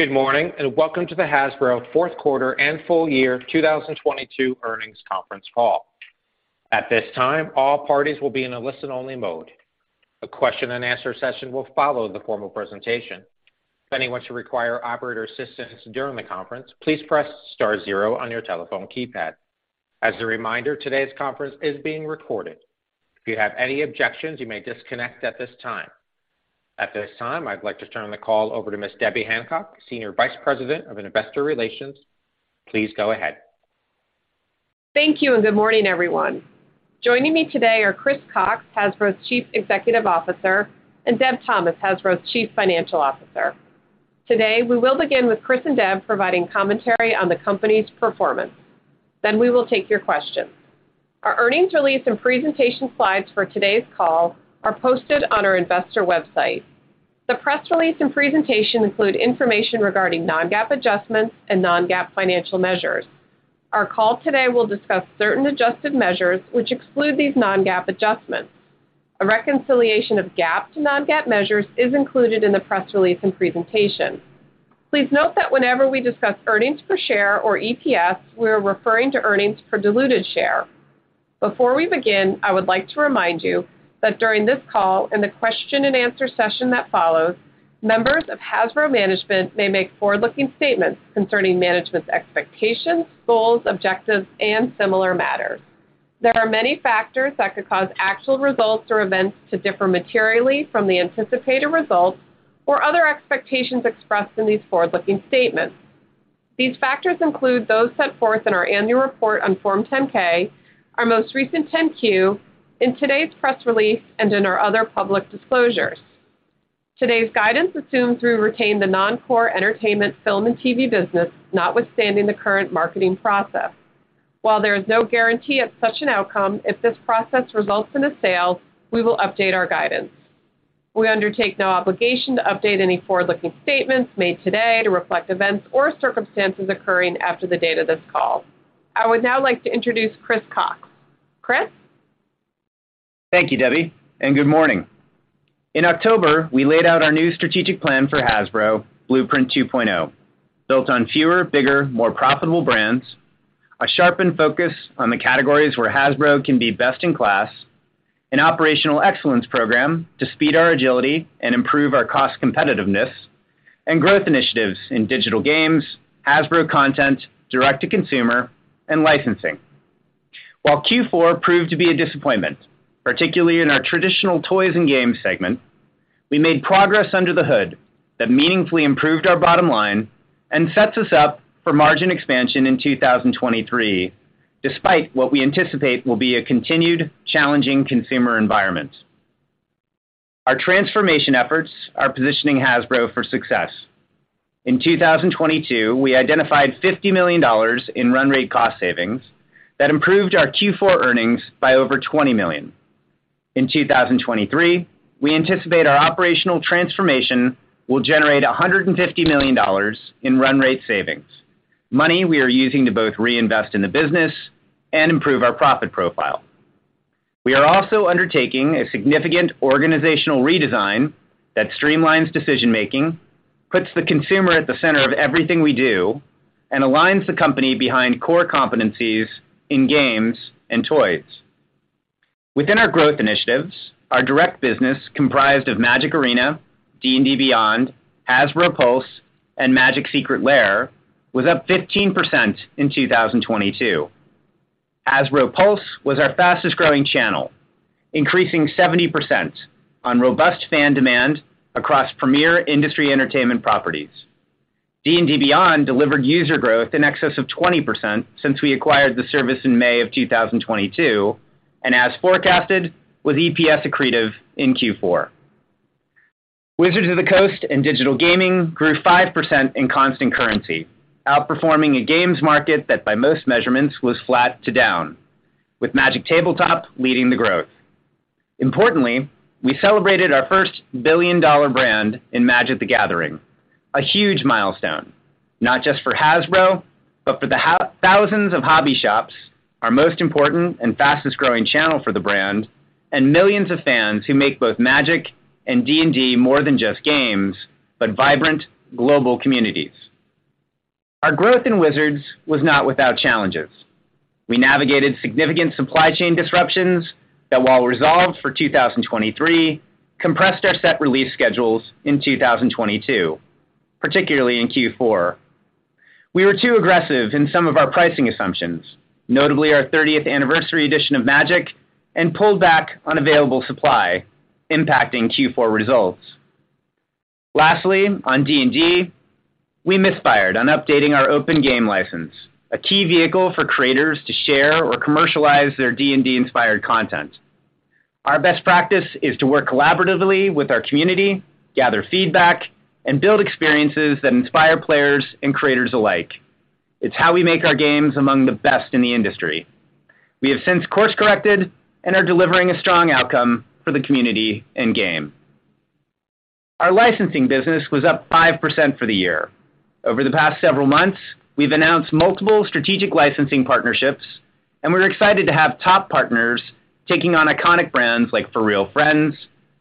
Good morning, and welcome to the Hasbro fourth quarter and full year 2022 earnings conference call. At this time, all parties will be in a listen-only mode. A question and answer session will follow the formal presentation. If anyone should require operator assistance during the conference, please press star zero on your telephone keypad. As a reminder, today's conference is being recorded. If you have any objections, you may disconnect at this time. At this time, I'd like to turn the call over to Ms. Debbie Hancock, Senior Vice President, Investor Relations. Please go ahead. Thank you. Good morning, everyone. Joining me today are Chris Cocks, Hasbro's Chief Executive Officer, and Deb Thomas, Hasbro's Chief Financial Officer. Today, we will begin with Chris and Deb providing commentary on the company's performance. We will take your questions. Our earnings release and presentation slides for today's call are posted on our investor website. The press release and presentation include information regarding non-GAAP adjustments and non-GAAP financial measures. Our call today will discuss certain adjusted measures which exclude these non-GAAP adjustments. A reconciliation of GAAP to non-GAAP measures is included in the press release and presentation. Please note that whenever we discuss earnings per share or EPS, we are referring to earnings per diluted share. Before we begin, I would like to remind you that during this call and the question and answer session that follows, members of Hasbro management may make forward-looking statements concerning management's expectations, goals, objectives, and similar matters. There are many factors that could cause actual results or events to differ materially from the anticipated results or other expectations expressed in these forward-looking statements. These factors include those set forth in our annual report on Form 10-K, our most recent 10-Q, in today's press release, and in our other public disclosures. Today's guidance assumes we retain the non-core entertainment, film, and TV business, notwithstanding the current marketing process. While there is no guarantee of such an outcome, if this process results in a sale, we will update our guidance. We undertake no obligation to update any forward-looking statements made today to reflect events or circumstances occurring after the date of this call. I would now like to introduce Chris Cocks. Chris? Thank you, Debbie. Good morning. In October, we laid out our new strategic plan for Hasbro, Blueprint 2.0, built on fewer, bigger, more profitable brands, a sharpened focus on the categories where Hasbro can be best in class, an operational excellence program to speed our agility and improve our cost competitiveness, and growth initiatives in digital games, Hasbro content, direct-to-consumer, and licensing. While Q4 proved to be a disappointment, particularly in our traditional toys and games segment, we made progress under the hood that meaningfully improved our bottom line and sets us up for margin expansion in 2023, despite what we anticipate will be a continued challenging consumer environment. Our transformation efforts are positioning Hasbro for success. In 2022, we identified $50 million in run rate cost savings that improved our Q4 earnings by over $20 million. In 2023, we anticipate our operational transformation will generate $150 million in run rate savings, money we are using to both reinvest in the business and improve our profit profile. We are also undertaking a significant organizational redesign that streamlines decision-making, puts the consumer at the center of everything we do, and aligns the company behind core competencies in games and toys. Within our growth initiatives, our direct business comprised of Magic Arena, D&D Beyond, Hasbro Pulse, and Magic Secret Lair was up 15% in 2022. Hasbro Pulse was our fastest-growing channel, increasing 70% on robust fan demand across premier industry entertainment properties. D&D Beyond delivered user growth in excess of 20% since we acquired the service in May of 2022, and as forecasted, was EPS accretive in Q4. Wizards of the Coast and digital gaming grew 5% in constant currency, outperforming a games market that by most measurements was flat to down, with Magic Tabletop leading the growth. We celebrated our first billion-dollar brand in Magic: The Gathering, a huge milestone, not just for Hasbro, but for the thousands of hobby shops, our most important and fastest-growing channel for the brand, and millions of fans who make both Magic and D&D more than just games, but vibrant global communities. Our growth in Wizards was not without challenges. We navigated significant supply chain disruptions that, while resolved for 2023, compressed our set release schedules in 2022, particularly in Q4. We were too aggressive in some of our pricing assumptions, notably our 30th anniversary edition of Magic, and pulled back on available supply, impacting Q4 results. Lastly, on D&D, we misfired on updating our Open Game License, a key vehicle for creators to share or commercialize their D&D-inspired content. Our best practice is to work collaboratively with our community, gather feedback, and build experiences that inspire players and creators alike. It's how we make our games among the best in the industry. We have since course-corrected and are delivering a strong outcome for the community and game. Our licensing business was up 5% for the year. Over the past several months, we've announced multiple strategic licensing partnerships, and we're excited to have top partners taking on iconic brands like Fur Real Friends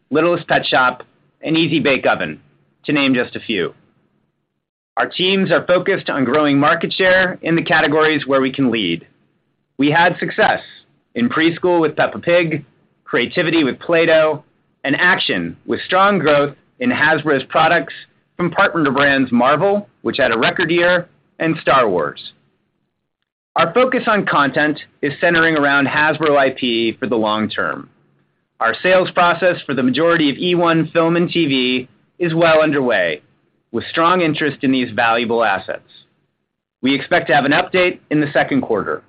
,Littlest Pet Shop, and Easy-Bake Oven, to name just a few. Our teams are focused on growing market share in the categories where we can lead. We had success in preschool with Peppa Pig, creativity with Play-Doh, and action with strong growth in Hasbro's products from partner to brands Marvel, which had a record year, and Star Wars. Our focus on content is centering around Hasbro IP for the long term. Our sales process for the majority of eOne Film and TV is well underway, with strong interest in these valuable assets. We expect to have an update in the second quarter.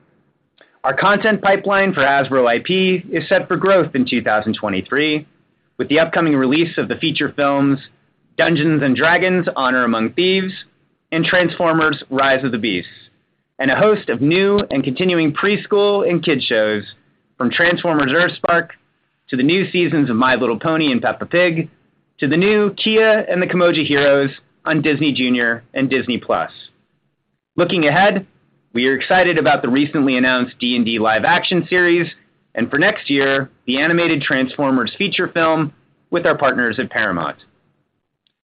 Our content pipeline for Hasbro IP is set for growth in 2023, with the upcoming release of the feature films Dungeons & Dragons: Honor Among Thieves and Transformers: Rise of the Beasts, and a host of new and continuing preschool and kids shows from Transformers: EarthSpark to the new seasons of My Little Pony and Peppa Pig, to the new Kiya & the Kimoja Heroes on Disney Junior and Disney+. Looking ahead, we are excited about the recently announced D&D live action series, and for next year, the animated Transformers feature film with our partners at Paramount.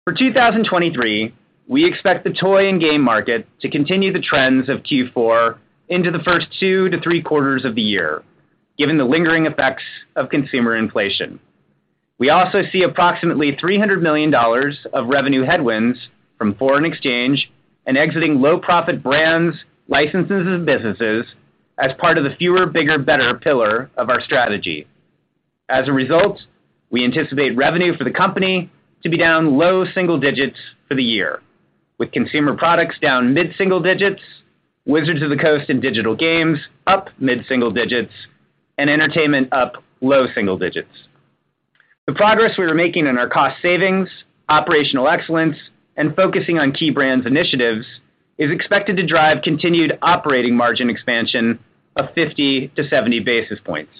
For 2023, we expect the toy and game market to continue the trends of Q4 into the first two-three quarters of the year, given the lingering effects of consumer inflation. We also see approximately $300 million of revenue headwinds from foreign exchange and exiting low-profit brands, licenses, and businesses as part of the fewer, bigger, better pillar of our strategy. We anticipate revenue for the company to be down low single digits for the year, with consumer products down mid-single digits, Wizards of the Coast and digital games up mid-single digits, and entertainment up low single digits. The progress we are making in our cost savings, operational excellence, and focusing on key brands initiatives is expected to drive continued operating margin expansion of 50 to 70 basis points.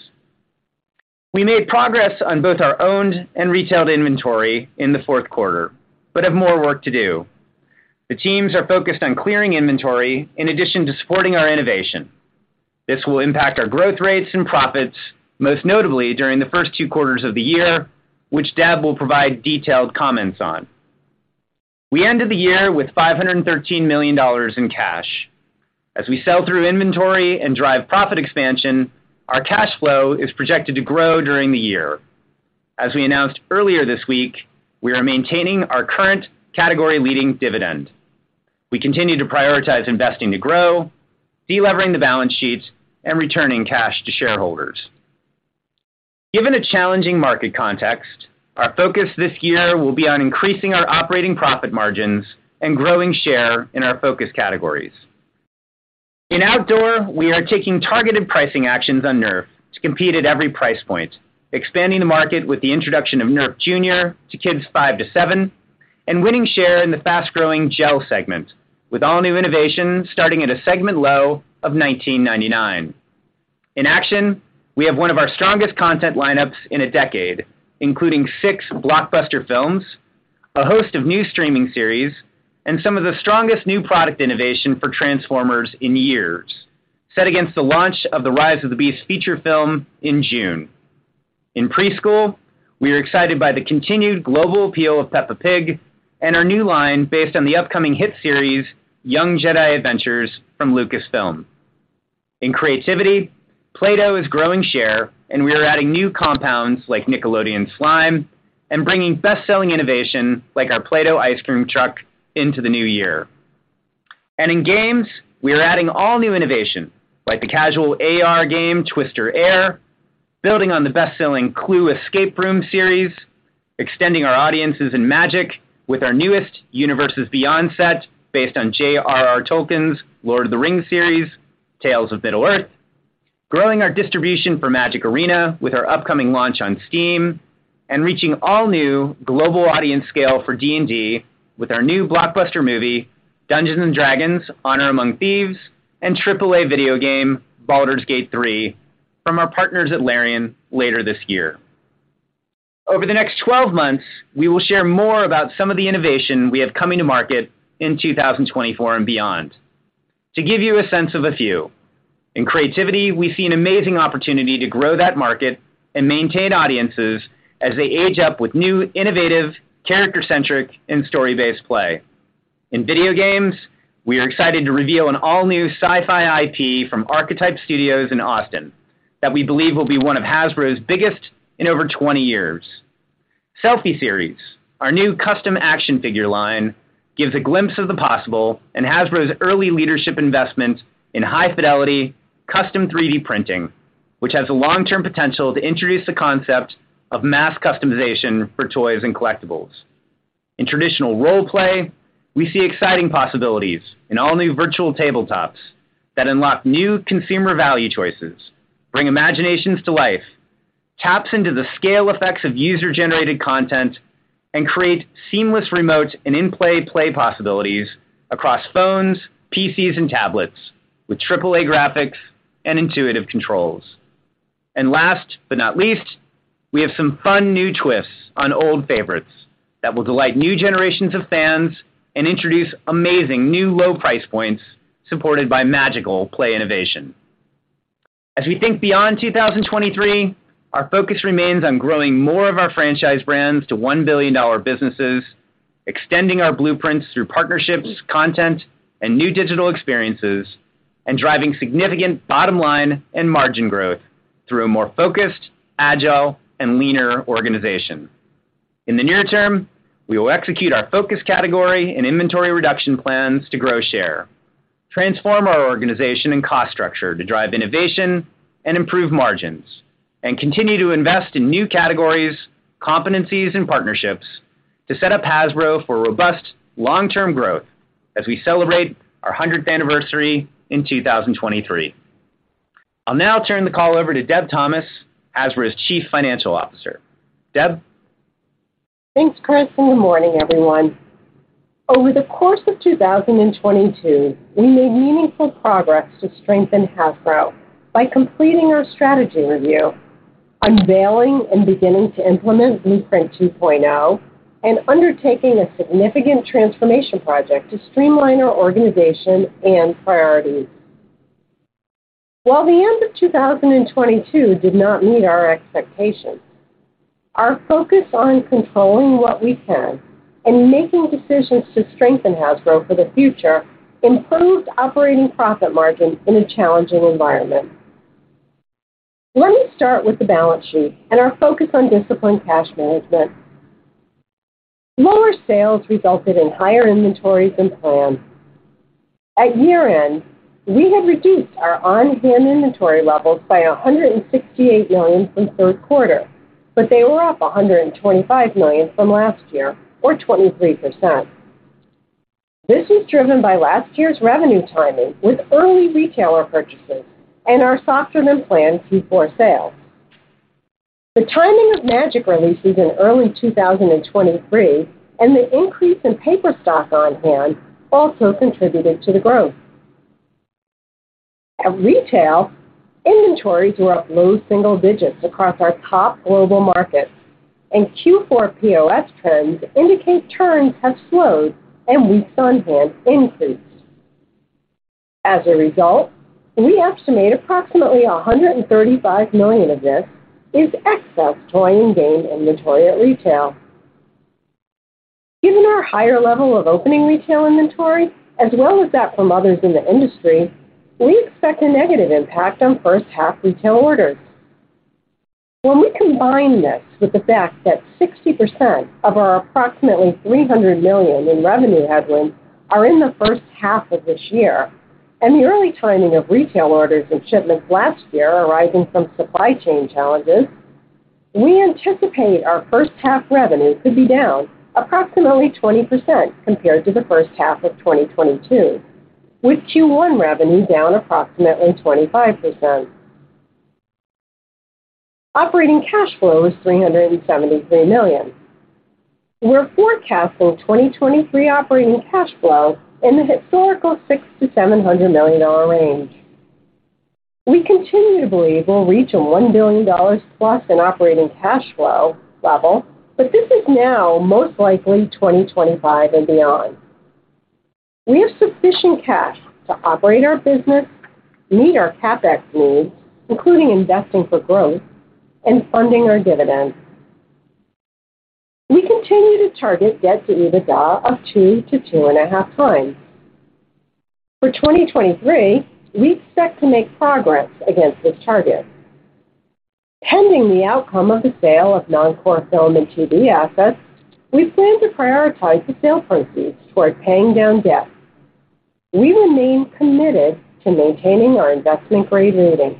We made progress on both our owned and retailed inventory in the fourth quarter, but have more work to do. The teams are focused on clearing inventory in addition to supporting our innovation. This will impact our growth rates and profits, most notably during the first two quarters of the year, which Deb will provide detailed comments on. We ended the year with $513 million in cash. As we sell through inventory and drive profit expansion, our cash flow is projected to grow during the year. As we announced earlier this week, we are maintaining our current category-leading dividend. We continue to prioritize investing to grow, delevering the balance sheets, and returning cash to shareholders. Given a challenging market context, our focus this year will be on increasing our Operating Profit margins and growing share in our focus categories. Outdoor, we are taking targeted pricing actions on Nerf to compete at every price point, expanding the market with the introduction of Nerf Junior to kids 5 to 7, and winning share in the fast-growing gel segment with all-new innovations starting at a segment low of $19.99. Action, we have one of our strongest content lineups in a decade, including six blockbuster films, a host of new streaming series, and some of the strongest new product innovation for Transformers in years, set against the launch of the Rise of the Beasts feature film in June. Preschool, we are excited by the continued global appeal of Peppa Pig and our new line based on the upcoming hit series, Young Jedi Adventures from Lucasfilm. In creativity, Play-Doh is growing share, and we are adding new compounds like Nickelodeon Slime and bringing best-selling innovation like our Play-Doh Ice Cream Truck into the new year. In games, we are adding all new innovation, like the casual AR game Twister Air, building on the best-selling Clue Escape Room series, extending our audiences in Magic with our newest Universes Beyond set based on J.R.R. Tolkien's Lord of the Rings series, Tales of Middle-earth, growing our distribution for Magic Arena with our upcoming launch on Steam, and reaching all new global audience scale for D&D with our new blockbuster movie, Dungeons & Dragons: Honor Among Thieves, and AAA video game, Baldur's Gate III, from our partners at Larian later this year. Over the next 12 months, we will share more about some of the innovation we have coming to market in 2024 and beyond. To give you a sense of a few, in creativity, we see an amazing opportunity to grow that market and maintain audiences as they age up with new, innovative, character-centric, and story-based play. In video games, we are excited to reveal an all-new sci-fi IP from Archetype Studios in Austin that we believe will be one of Hasbro's biggest in over 20 years. Selfie Series, our new custom action figure line, gives a glimpse of the possible and Hasbro's early leadership investment in high-fidelity, custom 3D printing, which has the long-term potential to introduce the concept of mass customization for toys and collectibles. In traditional role-play, we see exciting possibilities in all-new virtual tabletops that unlock new consumer value choices, bring imaginations to life, taps into the scale effects of user-generated content, and create seamless remote and in-play play possibilities across phones, PCs, and tablets with AAA graphics and intuitive controls. Last but not least, we have some fun new twists on old favorites that will delight new generations of fans and introduce amazing new low price points supported by magical play innovation. As we think beyond 2023, our focus remains on growing more of our franchise brands to $1 billion businesses, extending our blueprints through partnerships, content, and new digital experiences, and driving significant bottom line and margin growth through a more focused, agile, and leaner organization. In the near term, we will execute our focus category and inventory reduction plans to grow share, transform our organization and cost structure to drive innovation and improve margins, and continue to invest in new categories, competencies, and partnerships to set up Hasbro for robust long-term growth as we celebrate our 100th anniversary in 2023. I'll now turn the call over to Deb Thomas, Hasbro's Chief Financial Officer. Deb? Thanks, Chris. Good morning, everyone. Over the course of 2022, we made meaningful progress to strengthen Hasbro by completing our strategy review, unveiling and beginning to implement Blueprint 2.0, and undertaking a significant transformation project to streamline our organization and priorities. While the end of 2022 did not meet our expectations, our focus on controlling what we can and making decisions to strengthen Hasbro for the future improved Operating Profit margins in a challenging environment. Let me start with the balance sheet and our focus on disciplined cash management. Lower sales resulted in higher inventories than planned. At year-end, we had reduced our on-hand inventory levels by $168 million from third quarter, but they were up $125 million from last year or 23%. This is driven by last year's revenue timing with early retailer purchases and our softer-than-planned Q4 sales. The timing of Magic releases in early 2023 and the increase in paper stock on hand also contributed to the growth. At retail, inventories were up low single digits across our top global markets and Q4 POS trends indicate turns have slowed and weeks on hand increased. As a result, we estimate approximately $135 million of this is excess toy and game inventory at retail. Given our higher level of opening retail inventory as well as that from others in the industry, we expect a negative impact on first half retail orders. When we combine this with the fact that 60% of our approximately $300 million in revenue headwinds are in the first half of this year and the early timing of retail orders and shipments last year arising from supply chain challenges, we anticipate our first half revenue could be down approximately 20% compared to the first half of 2022, with Q1 revenue down approximately 25%. Operating cash flow was $373 million. We're forecasting 2023 operating cash flow in the historical $600 million-$700 million range. We continue to believe we'll reach a $1 billion plus in operating cash flow level, but this is now most likely 2025 and beyond. We have sufficient cash to operate our business, meet our CapEx needs, including investing for growth and funding our dividends. We continue to target debt to EBITDA of 2-2.5 times. For 2023, we expect to make progress against this target. Pending the outcome of the sale of non-core Film and TV assets, we plan to prioritize the sale proceeds towards paying down debt. We remain committed to maintaining our investment-grade rating.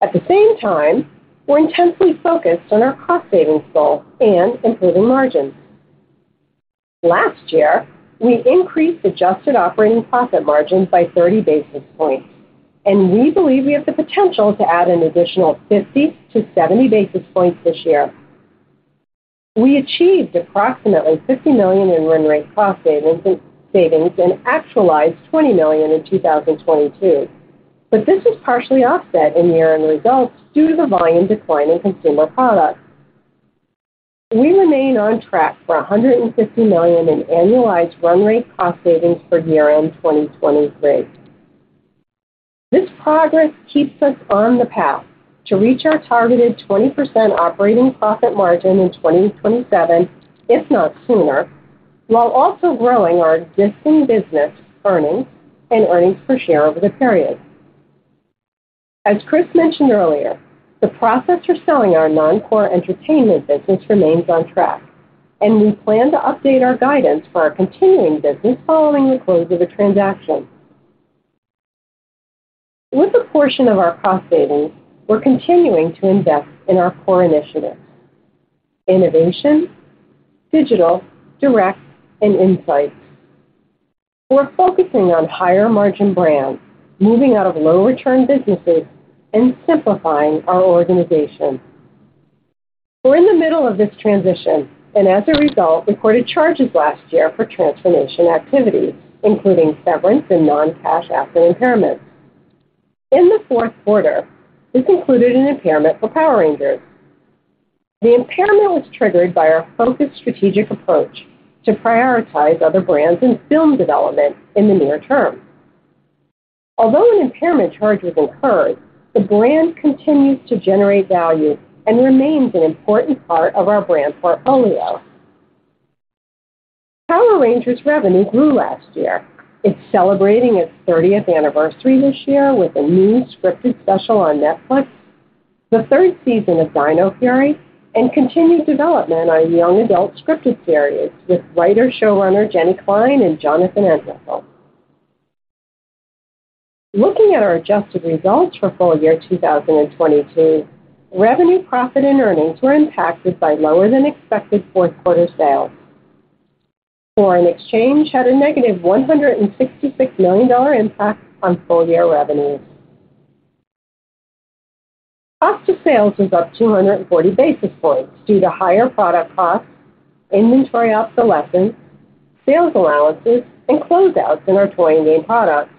At the same time, we're intensely focused on our cost savings goals and improving margins. Last year, we increased adjusted operating profit margins by 30 basis points, and we believe we have the potential to add an additional 50-70 basis points this year. We achieved approximately $50 million in run rate cost savings and actualized $20 million in 2022, this is partially offset in year-end results due to the volume decline in consumer products. We remain on track for $150 million in annualized run rate cost savings for year-end 2023. This progress keeps us on the path to reach our targeted 20% Operating Profit margin in 2027, if not sooner, while also growing our existing business earnings and earnings per share over the period. As Chris mentioned earlier, the process for selling our non-core entertainment business remains on track. We plan to update our guidance for our continuing business following the close of the transaction. With a portion of our cost savings, we're continuing to invest in our core initiatives: innovation, digital, direct, and insights. We're focusing on higher-margin brands, moving out of low-return businesses and simplifying our organization. We're in the middle of this transition. As a result, recorded charges last year for transformation activities, including severance and non-cash asset impairments. In the fourth quarter, this included an impairment for Power Rangers. The impairment was triggered by our focused strategic approach to prioritize other brands and film development in the near term. Although an impairment charge was incurred, the brand continues to generate value and remains an important part of our brand portfolio. Power Rangers revenue grew last year. It's celebrating its thirtieth anniversary this year with a new scripted special on Netflix, the third season of Dino Fury, and continued development on young adult scripted series with writer showrunner Jenny Klein and Jonathan Entwistle. Looking at our adjusted results for full year 2022, revenue, profit, and earnings were impacted by lower than expected fourth quarter sales. Foreign exchange had a negative $166 million impact on full year revenue. Cost of sales was up 240 basis points due to higher product costs, inventory obsolescence, sales allowances, and closeouts in our toy and game products.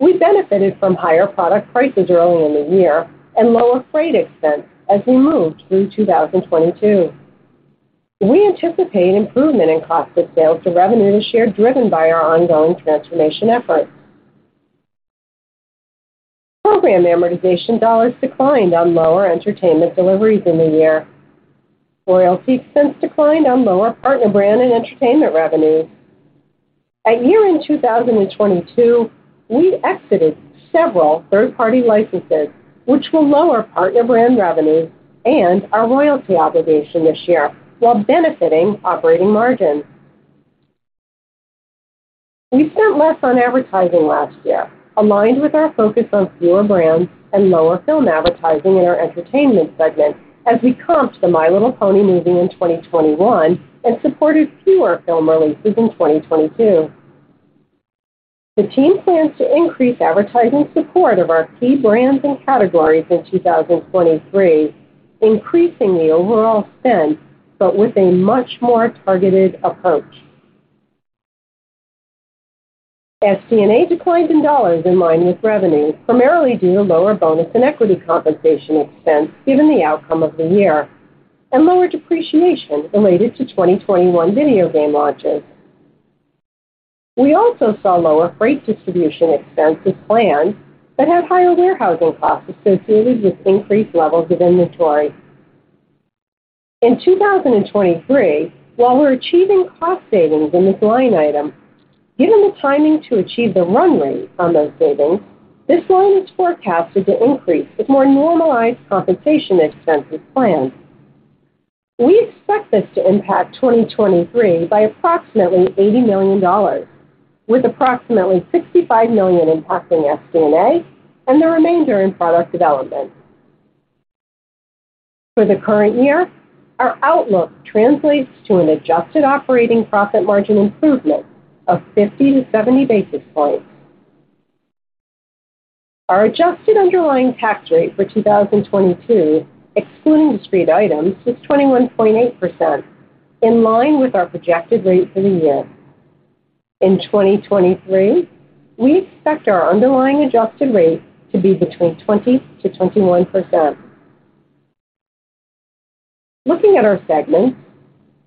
We benefited from higher product prices early in the year and lower freight expense as we moved through 2022. We anticipate improvement in cost of sales to revenue share driven by our ongoing transformation efforts. Program amortization dollars declined on lower entertainment deliveries in the year. Royalty expense declined on lower partner brand and entertainment revenues. At year-end 2022, we exited several third-party licenses which will lower partner brand revenue and our royalty obligation this year, while benefiting operating margin. We spent less on advertising last year, aligned with our focus on fewer brands and lower film advertising in our entertainment segment as we comped the My Little Pony movie in 2021 and supported fewer film releases in 2022. The team plans to increase advertising support of our key brands and categories in 2023, increasing the overall spend but with a much more targeted approach. SD&A declined in $ in line with revenue, primarily due to lower bonus and equity compensation expense given the outcome of the year and lower depreciation related to 2021 video game launches. We also saw lower freight distribution expense as planned, had higher warehousing costs associated with increased levels of inventory. In 2023, while we're achieving cost savings in this line item, given the timing to achieve the run rate on those savings, this line is forecasted to increase with more normalized compensation expense as planned. We expect this to impact 2023 by approximately $80 million, with approximately $65 million impacting SD&A and the remainder in product development. For the current year, our outlook translates to an adjusted Operating Profit margin improvement of 50 to 70 basis points. Our adjusted underlying tax rate for 2022, excluding discrete items, was 21.8%, in line with our projected rate for the year. In 2023, we expect our underlying adjusted rate to be between 20% to 21%. Looking at our segments,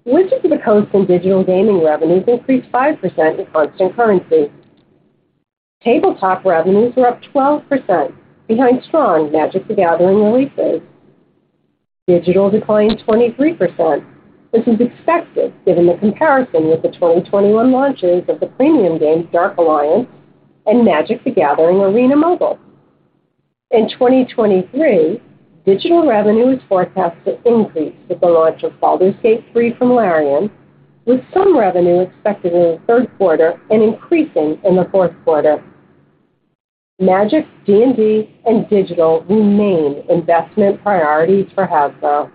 Wizards of the Coast and Digital Gaming revenues increased 5% in constant currency. Tabletop revenues were up 12% behind strong Magic: The Gathering releases. Digital declined 23%, which is expected given the comparison with the 2021 launches of the premium game Dark Alliance and Magic: The Gathering Arena Mobile. In 2023, digital revenue is forecast to increase with the launch of Baldur's Gate 3 from Larian, with some revenue expected in the third quarter and increasing in the fourth quarter. Magic, D&D, and digital remain investment priorities for Hasbro.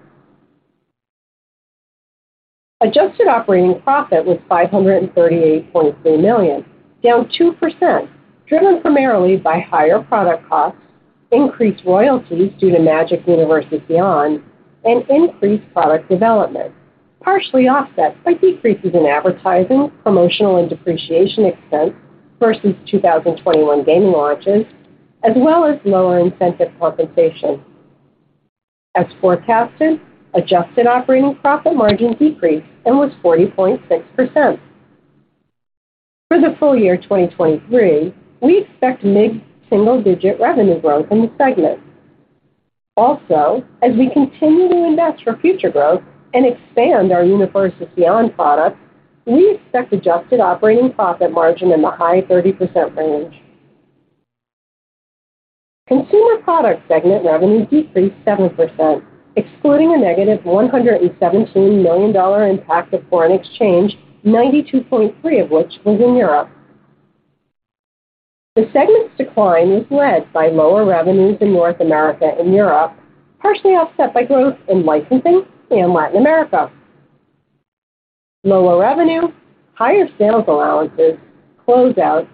Adjusted operating profit was $538.3 million, down 2%, driven primarily by higher product costs, increased royalties due to Magic Universes Beyond, and increased product development, partially offset by decreases in advertising, promotional and depreciation expense versus 2021 gaming launches, as well as lower incentive compensation. As forecasted, adjusted operating profit margin decreased and was 40.6%. For the full year 2023, we expect mid-single-digit revenue growth in the segment. As we continue to invest for future growth and expand our Universes Beyond product, we expect adjusted operating profit margin in the high 30% range. Consumer Product segment revenue decreased 7%, excluding a negative $117 million impact of foreign exchange, 92.3 of which was in Europe. The segment's decline was led by lower revenues in North America and Europe, partially offset by growth in licensing and Latin America. Lower revenue, higher sales allowances, closeouts,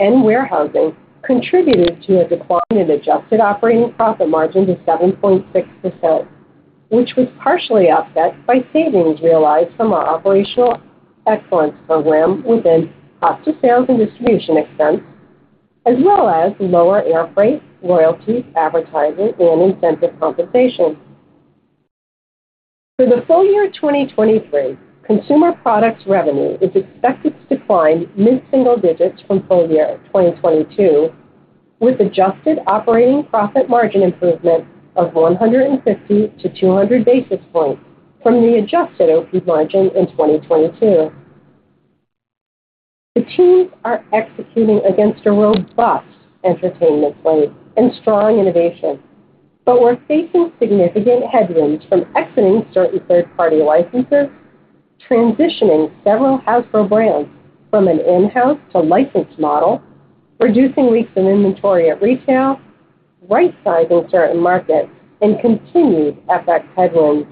and warehousing contributed to a decline in adjusted operating profit margin to 7.6%, which was partially offset by savings realized from our operational excellence program within cost of sales and distribution expense, as well as lower airfreight, royalties, advertising, and incentive compensation. For the full year 2023, consumer products revenue is expected to decline mid-single digits from full year 2022, with adjusted operating profit margin improvement of 150-200 basis points from the adjusted OPU margin in 2022. The teams are executing against a robust entertainment slate and strong innovation. We're facing significant headwinds from exiting certain third-party licenses, transitioning several Hasbro brands from an in-house to licensed model, reducing weeks in inventory at retail, rightsizing certain markets, and continued FX headwinds.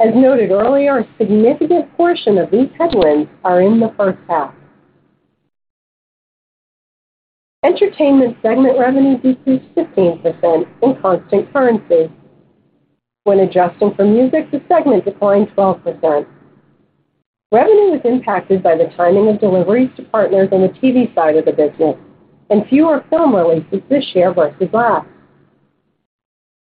As noted earlier, a significant portion of these headwinds are in the first half. Entertainment segment revenue decreased 15% in constant currency. When adjusting for music, the segment declined 12%. Revenue was impacted by the timing of deliveries to partners on the TV side of the business and fewer film releases this year versus last.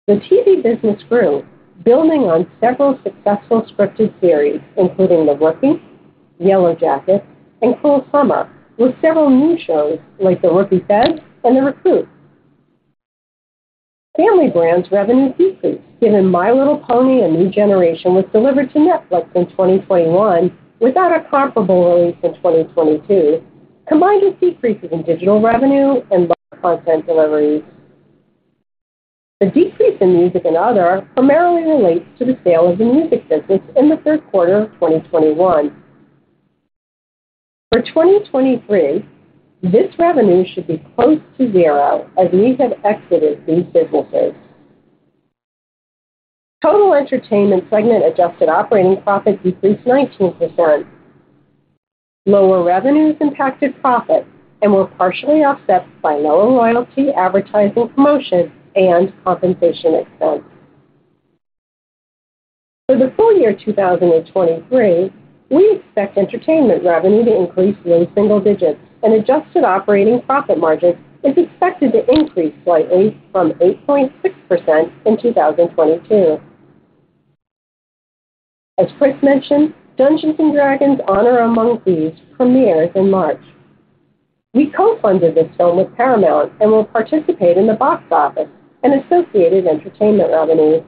The TV business grew, building on several successful scripted series, including The Rookie, Yellowjackets, and Cruel Summer, with several new shows like The Rookie: Feds and The Recruit. Family Brands revenue decreased, given My Little Pony: A New Generation was delivered to Netflix in 2021 without a comparable release in 2022, combined with decreases in digital revenue and lower content deliveries. The decrease in music and other primarily relates to the sale of the music business in the third quarter of 2021. For 2023, this revenue should be close to zero as we have exited these businesses. Total entertainment segment adjusted operating profit decreased 19%. Lower revenues impacted profit and were partially offset by lower loyalty, advertising, promotion, and compensation expense. For the full year 2023, we expect entertainment revenue to increase mid-single digits. Adjusted operating profit margin is expected to increase slightly from 8.6% in 2022. As Chris mentioned, Dungeons & Dragons: Honor Among Thieves premieres in March. We co-funded this film with Paramount and will participate in the box office and associated entertainment revenues.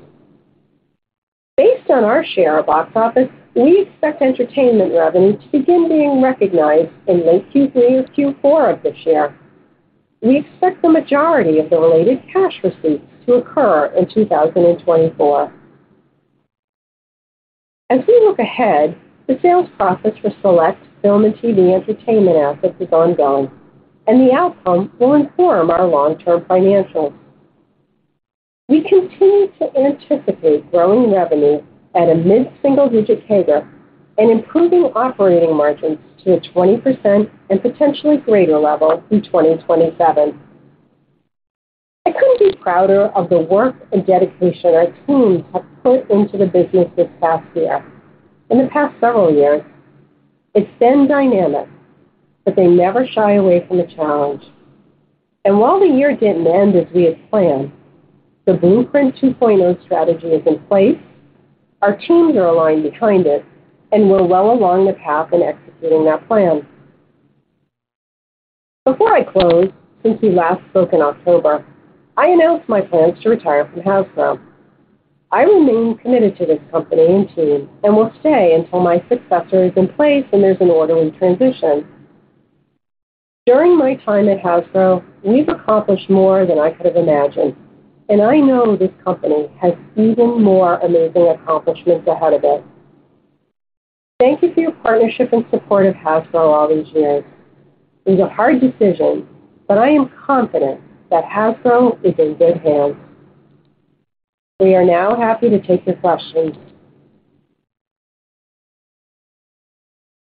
Based on our share of box office, we expect entertainment revenue to begin being recognized in late Q3 or Q4 of this year. We expect the majority of the related cash receipts to occur in 2024. As we look ahead, the sales process for select film and TV entertainment assets is ongoing. The outcome will inform our long-term financials. We continue to anticipate growing revenue at a mid-single-digit CAGR and improving operating margins to a 20% and potentially greater level through 2027. I couldn't be prouder of the work and dedication our teams have put into the business this past year and the past several years. It's been dynamic, but they never shy away from the challenge. While the year didn't end as we had planned, the Blueprint 2.0 strategy is in place, our teams are aligned behind it, and we're well along the path in executing that plan. Before I close, since we last spoke in October, I announced my plans to retire from Hasbro. I remain committed to this company and team and will stay until my successor is in place and there's an orderly transition. During my time at Hasbro, we've accomplished more than I could have imagined, and I know this company has even more amazing accomplishments ahead of it. Thank you for your partnership and support of Hasbro all these years. It was a hard decision, but I am confident that Hasbro is in good hands. We are now happy to take your questions.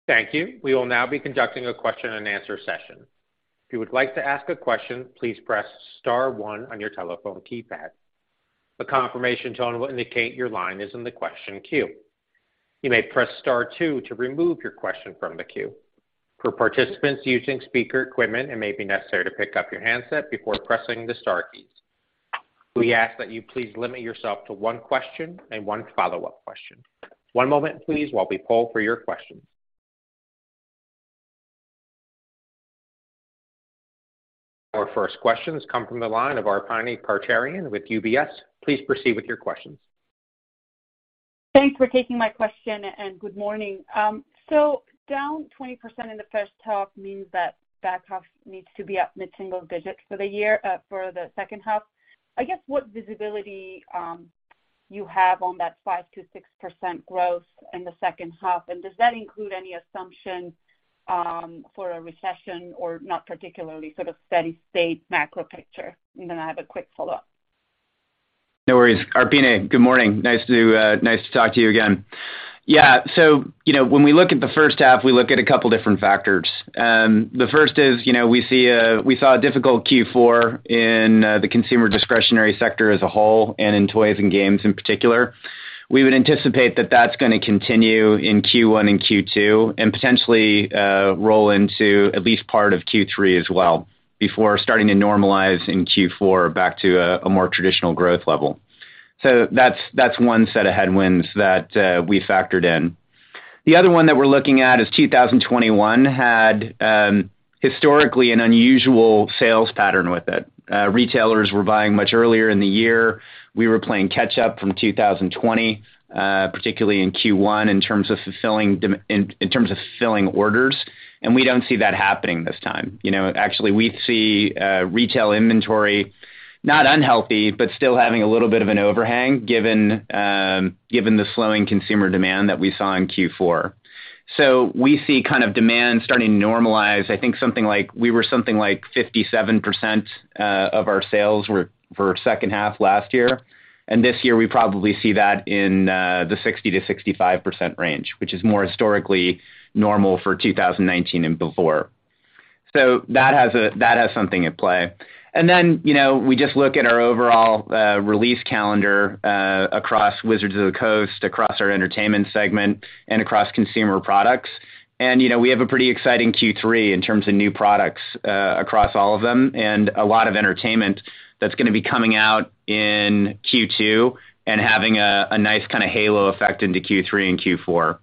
Thank you. We will now be conducting a question-and-answer session. If you would like to ask a question, please press star one on your telephone keypad. A confirmation tone will indicate your line is in the question queue. You may press star two to remove your question from the queue. For participants using speaker equipment, it may be necessary to pick up your handset before pressing the star keys. We ask that you please limit yourself to one question and one follow-up question. One moment, please, while we poll for your questions. Our first questions come from the line of Arpine Kocharyan with UBS. Please proceed with your questions. Thanks for taking my question. Good morning. Down 20% in the first half means that back half needs to be up mid-single digits for the year, for the second half. I guess what visibility you have on that 5%-6% growth in the second half? Does that include any assumption for a recession or not particularly sort of steady-state macro picture? Then I have a quick follow-up. No worries. Arpine, good morning. Nice to talk to you again. Yeah. You know, when we look at the first half, we look at a couple different factors. The first is, you know, we saw a difficult Q4 in the consumer discretionary sector as a whole and in toys and games in particular. We would anticipate that that's gonna continue in Q1 and Q2, and potentially roll into at least part of Q3 as well before starting to normalize in Q4 back to a more traditional growth level. That's one set of headwinds that we factored in. The other one that we're looking at is 2021 had historically an unusual sales pattern with it. Retailers were buying much earlier in the year. We were playing catch up from 2020, particularly in Q1, in terms of filling orders, we don't see that happening this time. You know, actually, we see retail inventory not unhealthy, but still having a little bit of an overhang given given the slowing consumer demand that we saw in Q4. We see kind of demand starting to normalize. I think something like we were 57% of our sales were for second half last year, this year we probably see that in the 60%-65% range, which is more historically normal for 2019 and before. That has something at play. You know, we just look at our overall release calendar across Wizards of the Coast, across our entertainment segment, and across consumer products. You know, we have a pretty exciting Q3 in terms of new products across all of them, and a lot of entertainment that's gonna be coming out in Q2 and having a nice kinda halo effect into Q3 and Q4.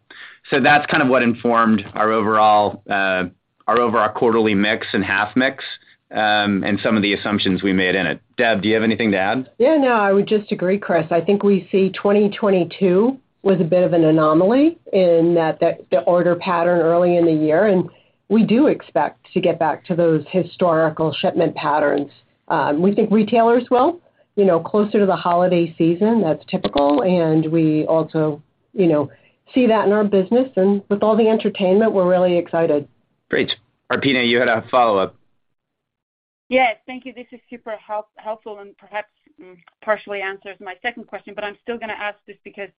That's kind of what informed our overall our overall quarterly mix and half mix, and some of the assumptions we made in it. Deb, do you have anything to add? Yeah, no, I would just agree, Chris. I think we see 2022 was a bit of an anomaly in that the order pattern early in the year, we do expect to get back to those historical shipment patterns. We think retailers will, you know, closer to the holiday season, that's typical, we also, you know, see that in our business. With all the entertainment, we're really excited. Great. Arpine, you had a follow-up. Yes. Thank you. This is super helpful and perhaps partially answers my second question, but I'm still gonna ask this because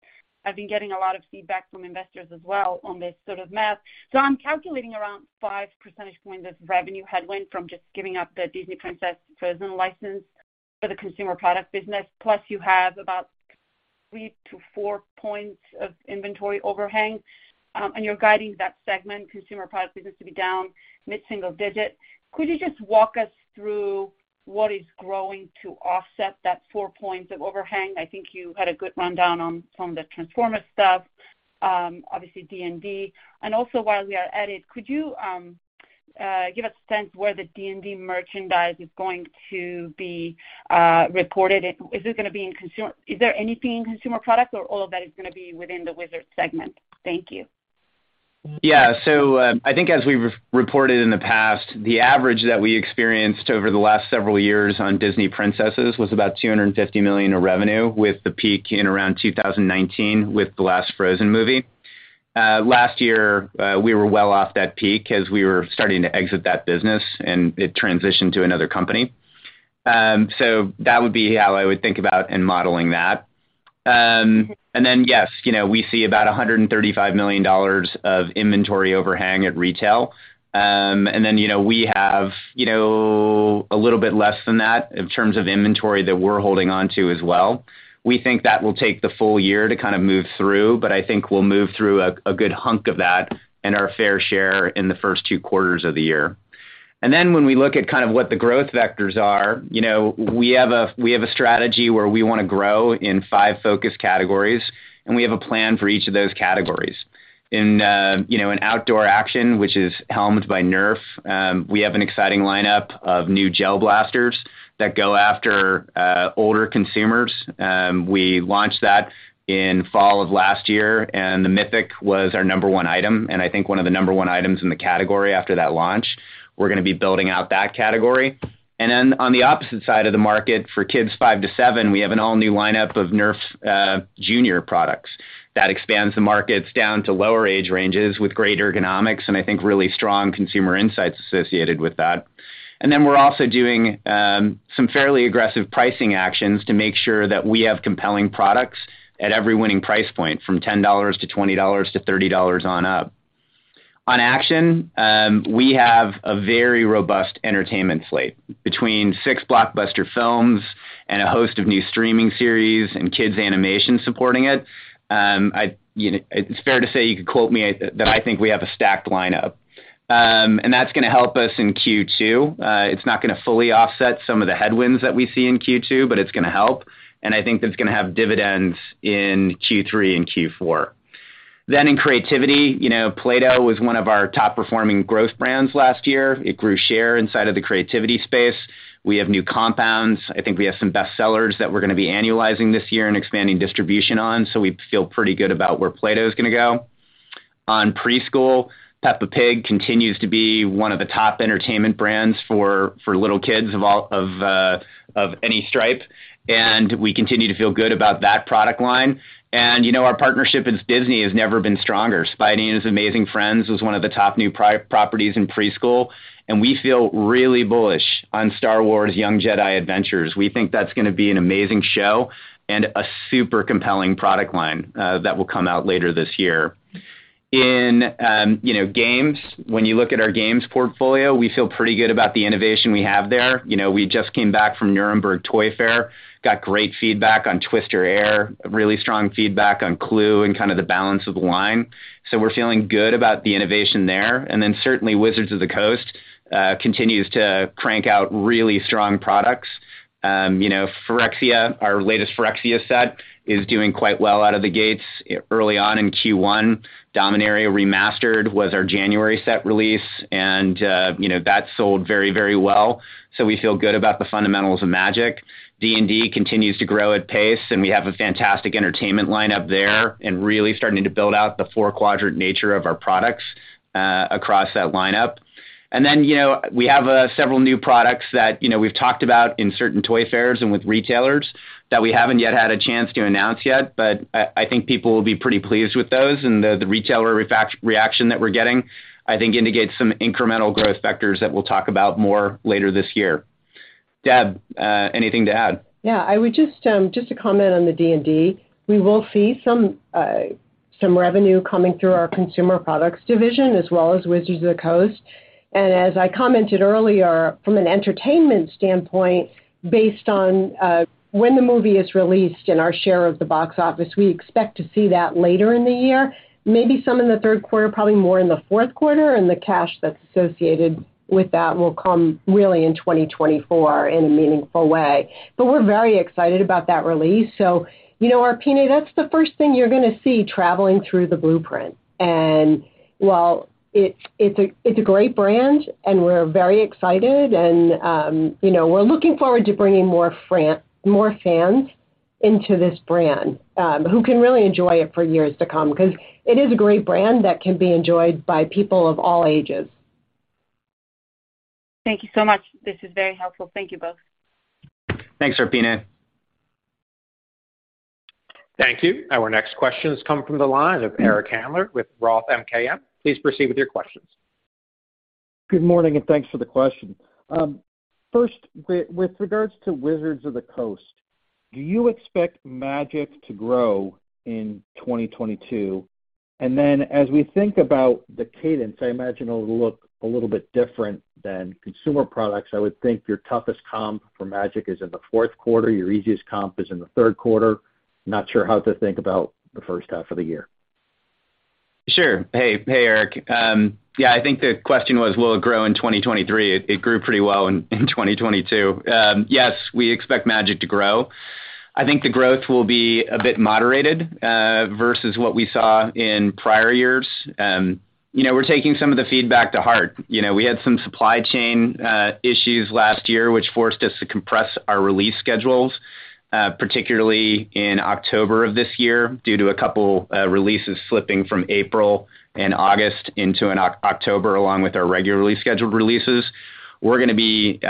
I've been getting a lot of feedback from investors as well on this sort of math. I'm calculating around 5 percentage points of revenue headwind from just giving up the Disney Princess Frozen license for the consumer product business, plus you have about three to four points of inventory overhang, and you're guiding that segment, consumer product business, to be down mid-single digit. Could you just walk us through what is growing to offset that four points of overhang? I think you had a good rundown on some of the Transformers stuff, obviously D&D. Also, while we are at it, could you give a sense where the D&D merchandise is going to be reported? Is this gonna be in consumer... Is there anything in consumer product or all of that is gonna be within the Wizards segment? Thank you. Yeah. I think as we've reported in the past, the average that we experienced over the last several years on Disney Princess was about $250 million of revenue, with the peak in around 2019 with the last Frozen movie. Last year, we were well off that peak as we were starting to exit that business, and it transitioned to another company. That would be how I would think about in modeling that. Yes, you know, we see about $135 million of inventory overhang at retail. You know, we have, you know, a little bit less than that in terms of inventory that we're holding onto as well. We think that will take the full year to kind of move through, but I think we'll move through a good hunk of that and our fair share in the first two quarters of the year. When we look at kind of what the growth vectors are, you know, we have a strategy where we wanna grow in 5 focus categories, and we have a plan for each of those categories. In, you know, in outdoor action, which is helmed by Nerf, we have an exciting lineup of new gel blasters that go after older consumers. We launched that in fall of last year, and the Mythic was our number one item, and I think one of the number 1 items in the category after that launch. We're gonna be building out that category. On the opposite side of the market, for kids five to seven, we have an all-new lineup of Nerf junior products that expands the markets down to lower age ranges with great ergonomics and I think really strong consumer insights associated with that. We're also doing some fairly aggressive pricing actions to make sure that we have compelling products at every winning price point, from $10 to $20 to $30 on up. On action, we have a very robust entertainment slate between 6 blockbuster films and a host of new streaming series and kids animation supporting it. I, you know, it's fair to say, you could quote me, that I think we have a stacked lineup. That's gonna help us in Q2. It's not gonna fully offset some of the headwinds that we see in Q2, but it's gonna help, and I think that's gonna have dividends in Q3 and Q4. In creativity, you know, Play-Doh was one of our top-performing growth brands last year. It grew share inside of the creativity space. We have new compounds. I think we have some best sellers that we're gonna be annualizing this year and expanding distribution on. We feel pretty good about where Play-Doh is gonna go. On preschool, Peppa Pig continues to be one of the top entertainment brands for little kids of any stripe, and we continue to feel good about that product line. You know, our partnership with Disney has never been stronger. Spidey and His Amazing Friends was one of the top new properties in preschool, and we feel really bullish on Star Wars: Young Jedi Adventures. We think that's gonna be an amazing show and a super compelling product line that will come out later this year. You know, games, when you look at our games portfolio, we feel pretty good about the innovation we have there. You know, we just came back from Nuremberg Toy Fair, got great feedback on Twister Air, really strong feedback on Clue and kind of the balance of the line. We're feeling good about the innovation there. Certainly Wizards of the Coast continues to crank out really strong products. You know, Phyrexia, our latest Phyrexia set is doing quite well out of the gates early on in Q1. Dominaria Remastered was our January set release, and, you know, that sold very, very well, so we feel good about the fundamentals of Magic. D&D continues to grow at pace, and we have a fantastic entertainment lineup there and really starting to build out the four-quadrant nature of our products across that lineup. You know, we have several new products that, you know, we've talked about in certain toy fairs and with retailers that we haven't yet had a chance to announce yet, but I think people will be pretty pleased with those. The retailer reaction that we're getting, I think indicates some incremental growth vectors that we'll talk about more later this year. Deb, anything to add? I would just comment on the D&D, we will see some revenue coming through our consumer products division as well as Wizards of the Coast. As I commented earlier, from an entertainment standpoint, based on when the movie is released and our share of the box office, we expect to see that later in the year, maybe some in the third quarter, probably more in the fourth quarter, and the cash that's associated with that will come really in 2024 in a meaningful way. We're very excited about that release. You know, Arpine, that's the first thing you're gonna see traveling through the blueprint. While it's a great brand, and we're very excited, and, you know, we're looking forward to bringing more fans into this brand, who can really enjoy it for years to come, 'cause it is a great brand that can be enjoyed by people of all ages. Thank you so much. This is very helpful. Thank you both. Thanks, Arpine. Thank you. Our next question is coming from the line of Eric Handler with Roth MKM. Please proceed with your questions. Good morning. Thanks for the question. First, with regards to Wizards of the Coast, do you expect Magic to grow in 2022? As we think about the cadence, I imagine it'll look a little bit different than consumer products. I would think your toughest comp for Magic is in the fourth quarter, your easiest comp is in the third quarter. Not sure how to think about the first half of the year. Sure. Hey, hey, Eric. Yeah, I think the question was, will it grow in 2023? It grew pretty well in 2022. Yes, we expect Magic to grow. I think the growth will be a bit moderated versus what we saw in prior years. You know, we're taking some of the feedback to heart. You know, we had some supply chain issues last year, which forced us to compress our release schedules, particularly in October of this year, due to a couple releases slipping from April and August into an October, along with our regularly scheduled releases. We're gonna be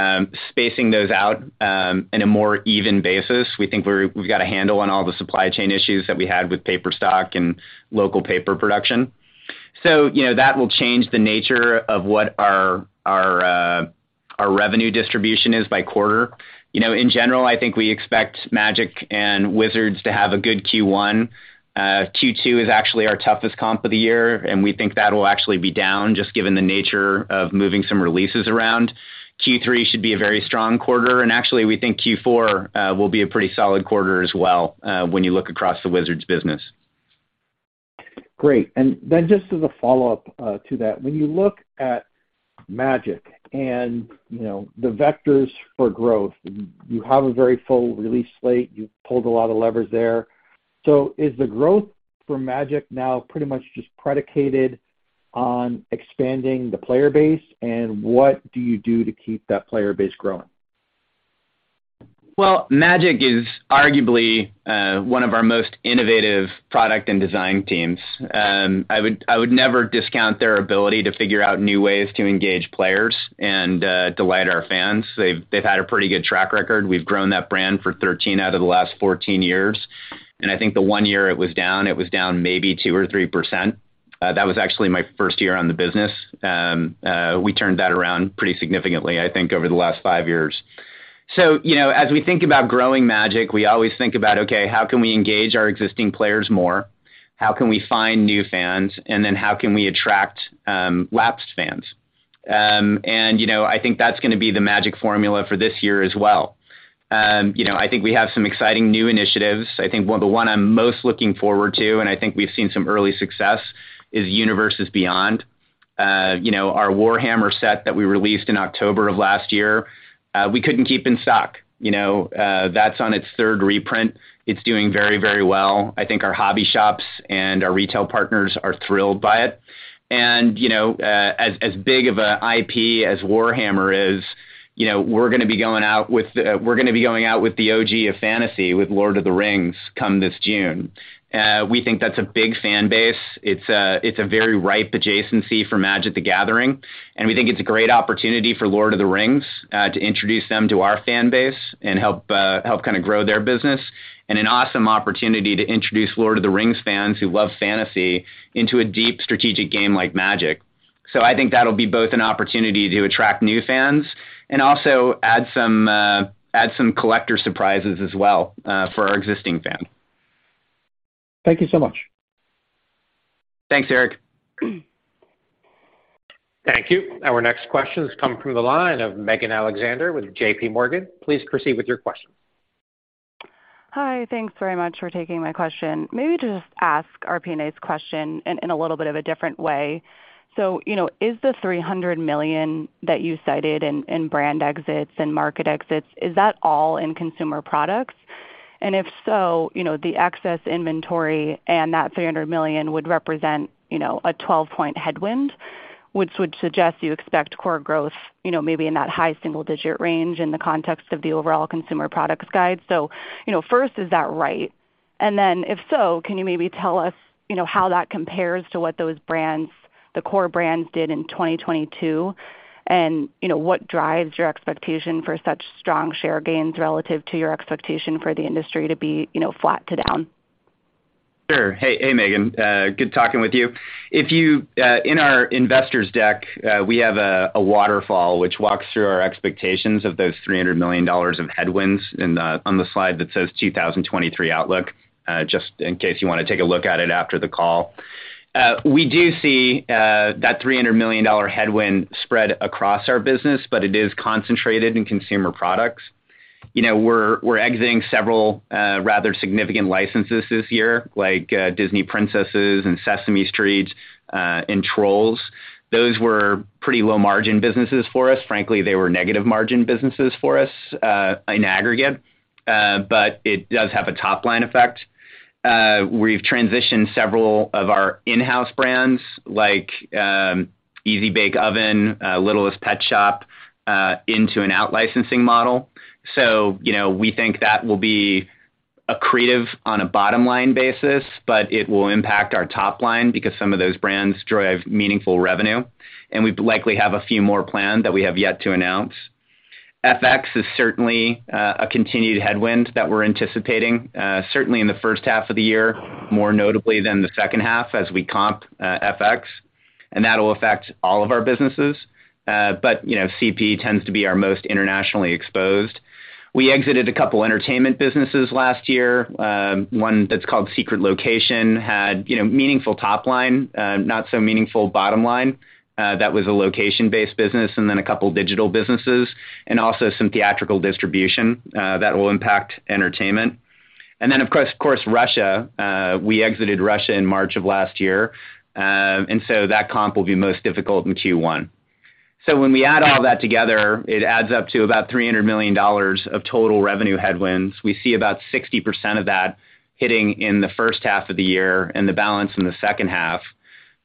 spacing those out in a more even basis. We think we've got a handle on all the supply chain issues that we had with paper stock and local paper production. You know, that will change the nature of what our revenue distribution is by quarter. You know, in general, I think we expect Magic and Wizards to have a good Q1. Q2 is actually our toughest comp of the year, and we think that'll actually be down, just given the nature of moving some releases around. Q3 should be a very strong quarter, and actually we think Q4 will be a pretty solid quarter as well, when you look across the Wizards business. Great. Just as a follow-up to that, when you look at Magic and, you know, the vectors for growth, you have a very full release slate. You've pulled a lot of levers there. Is the growth for Magic now pretty much just predicated on expanding the player base? What do you do to keep that player base growing? Well, Magic is arguably one of our most innovative product and design teams. I would never discount their ability to figure out new ways to engage players and delight our fans. They've had a pretty good track record. We've grown that brand for 13 out of the last 14 years. I think the one year it was down, it was down maybe 2% or 3%. That was actually my 1st year on the business. We turned that around pretty significantly, I think, over the last five years. You know, as we think about growing Magic, we always think about, okay, how can we engage our existing players more? How can we find new fans? How can we attract lapsed fans? You know, I think that's gonna be the magic formula for this year as well. You know, I think we have some exciting new initiatives. I think the one I'm most looking forward to, and I think we've seen some early success, is Universes Beyond. You know, our Warhammer set that we released in October of last year, we couldn't keep in stock. You know, that's on its third reprint. It's doing very well. I think our hobby shops and our retail partners are thrilled by it. You know, as big of a IP as Warhammer is, you know, we're gonna be going out with the OG of fantasy with Lord of the Rings come this June. We think that's a big fan base. It's a very ripe adjacency for Magic: The Gathering, and we think it's a great opportunity for Lord of the Rings to introduce them to our fan base and help kinda grow their business, and an awesome opportunity to introduce Lord of the Rings fans who love fantasy into a deep strategic game like Magic. I think that'll be both an opportunity to attract new fans and also add some collector surprises as well for our existing fans. Thank you so much. Thanks, Eric. Thank you. Our next question is coming from the line of Megan Alexander with JPMorgan. Please proceed with your question. Hi. Thanks very much for taking my question. Maybe to just ask Arpine question in a little bit of a different way. You know, is the $300 million that you cited in brand exits and market exits, is that all in consumer products? If so, you know, the excess inventory and that $300 million would represent, you know, a 12-point headwind, which would suggest you expect core growth, you know, maybe in that high single-digit range in the context of the overall consumer products guide. You know, first, is that right? If so, can you maybe tell us, you know, how that compares to what those brands, the core brands did in 2022, and, you know, what drives your expectation for such strong share gains relative to your expectation for the industry to be, you know, flat to down? Sure. Hey. Hey, Megan. Good talking with you. If you, in our investor's deck, we have a waterfall which walks through our expectations of those $300 million of headwinds in the, on the slide that says 2023 outlook, just in case you wanna take a look at it after the call. We do see that $300 million headwind spread across our business, but it is concentrated in consumer products. You know, we're exiting several rather significant licenses this year, like Disney Princess and Sesame Street, and Trolls. Those were pretty low-margin businesses for us. Frankly, they were negative margin businesses for us, in aggregate, but it does have a top-line effect. We've transitioned several of our in-house brands like Easy-Bake Oven, Littlest Pet Shop, into an out-licensing model. You know, we think that will be accretive on a bottom-line basis, but it will impact our top line because some of those brands drive meaningful revenue, and we likely have a few more planned that we have yet to announce. FX is certainly a continued headwind that we're anticipating, certainly in the first half of the year, more notably than the second half as we comp FX. That'll affect all of our businesses. You know, CP tends to be our most internationally exposed. We exited a couple entertainment businesses last year. One that's called Secret Location had, you know, meaningful top line, not so meaningful bottom line. That was a location-based business a couple digital businesses and also some theatrical distribution that will impact entertainment. Of course, Russia. We exited Russia in March of last year that comp will be most difficult in Q1. When we add all that together, it adds up to about $300 million of total revenue headwinds. We see about 60% of that hitting in the first half of the year and the balance in the second half.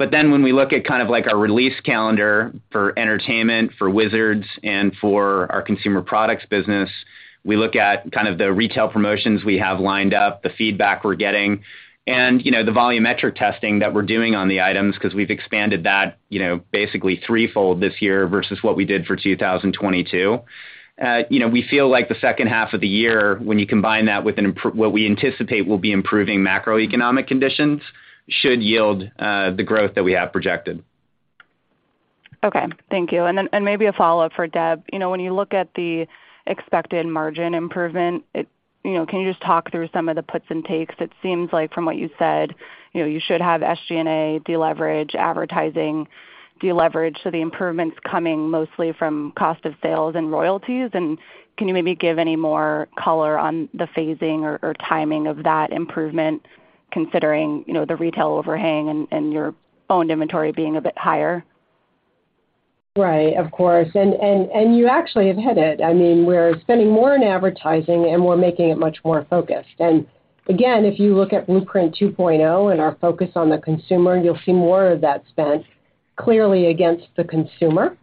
When we look at kind of like our release calendar for entertainment, for Wizards, and for our consumer products business, we look at kind of the retail promotions we have lined up, the feedback we're getting, and, you know, the volumetric testing that we're doing on the items 'cause we've expanded that, you know, basically threefold this year versus what we did for 2022. You know, we feel like the second half of the year when you combine that with what we anticipate will be improving macroeconomic conditions should yield the growth that we have projected. Okay. Thank you. Maybe a follow-up for Deb. You know, when you look at the expected margin improvement, you know, can you just talk through some of the puts and takes? It seems like from what you said, you know, you should have SG&A deleverage, advertising deleverage, the improvements coming mostly from cost of sales and royalties. Can you maybe give any more color on the phasing or timing of that improvement considering, you know, the retail overhang and your owned inventory being a bit higher? Right. Of course. You actually have hit it. I mean, we're spending more in advertising, we're making it much more focused. Again, if you look at Blueprint 2.0 and our focus on the consumer, you'll see more of that spent clearly against the consumer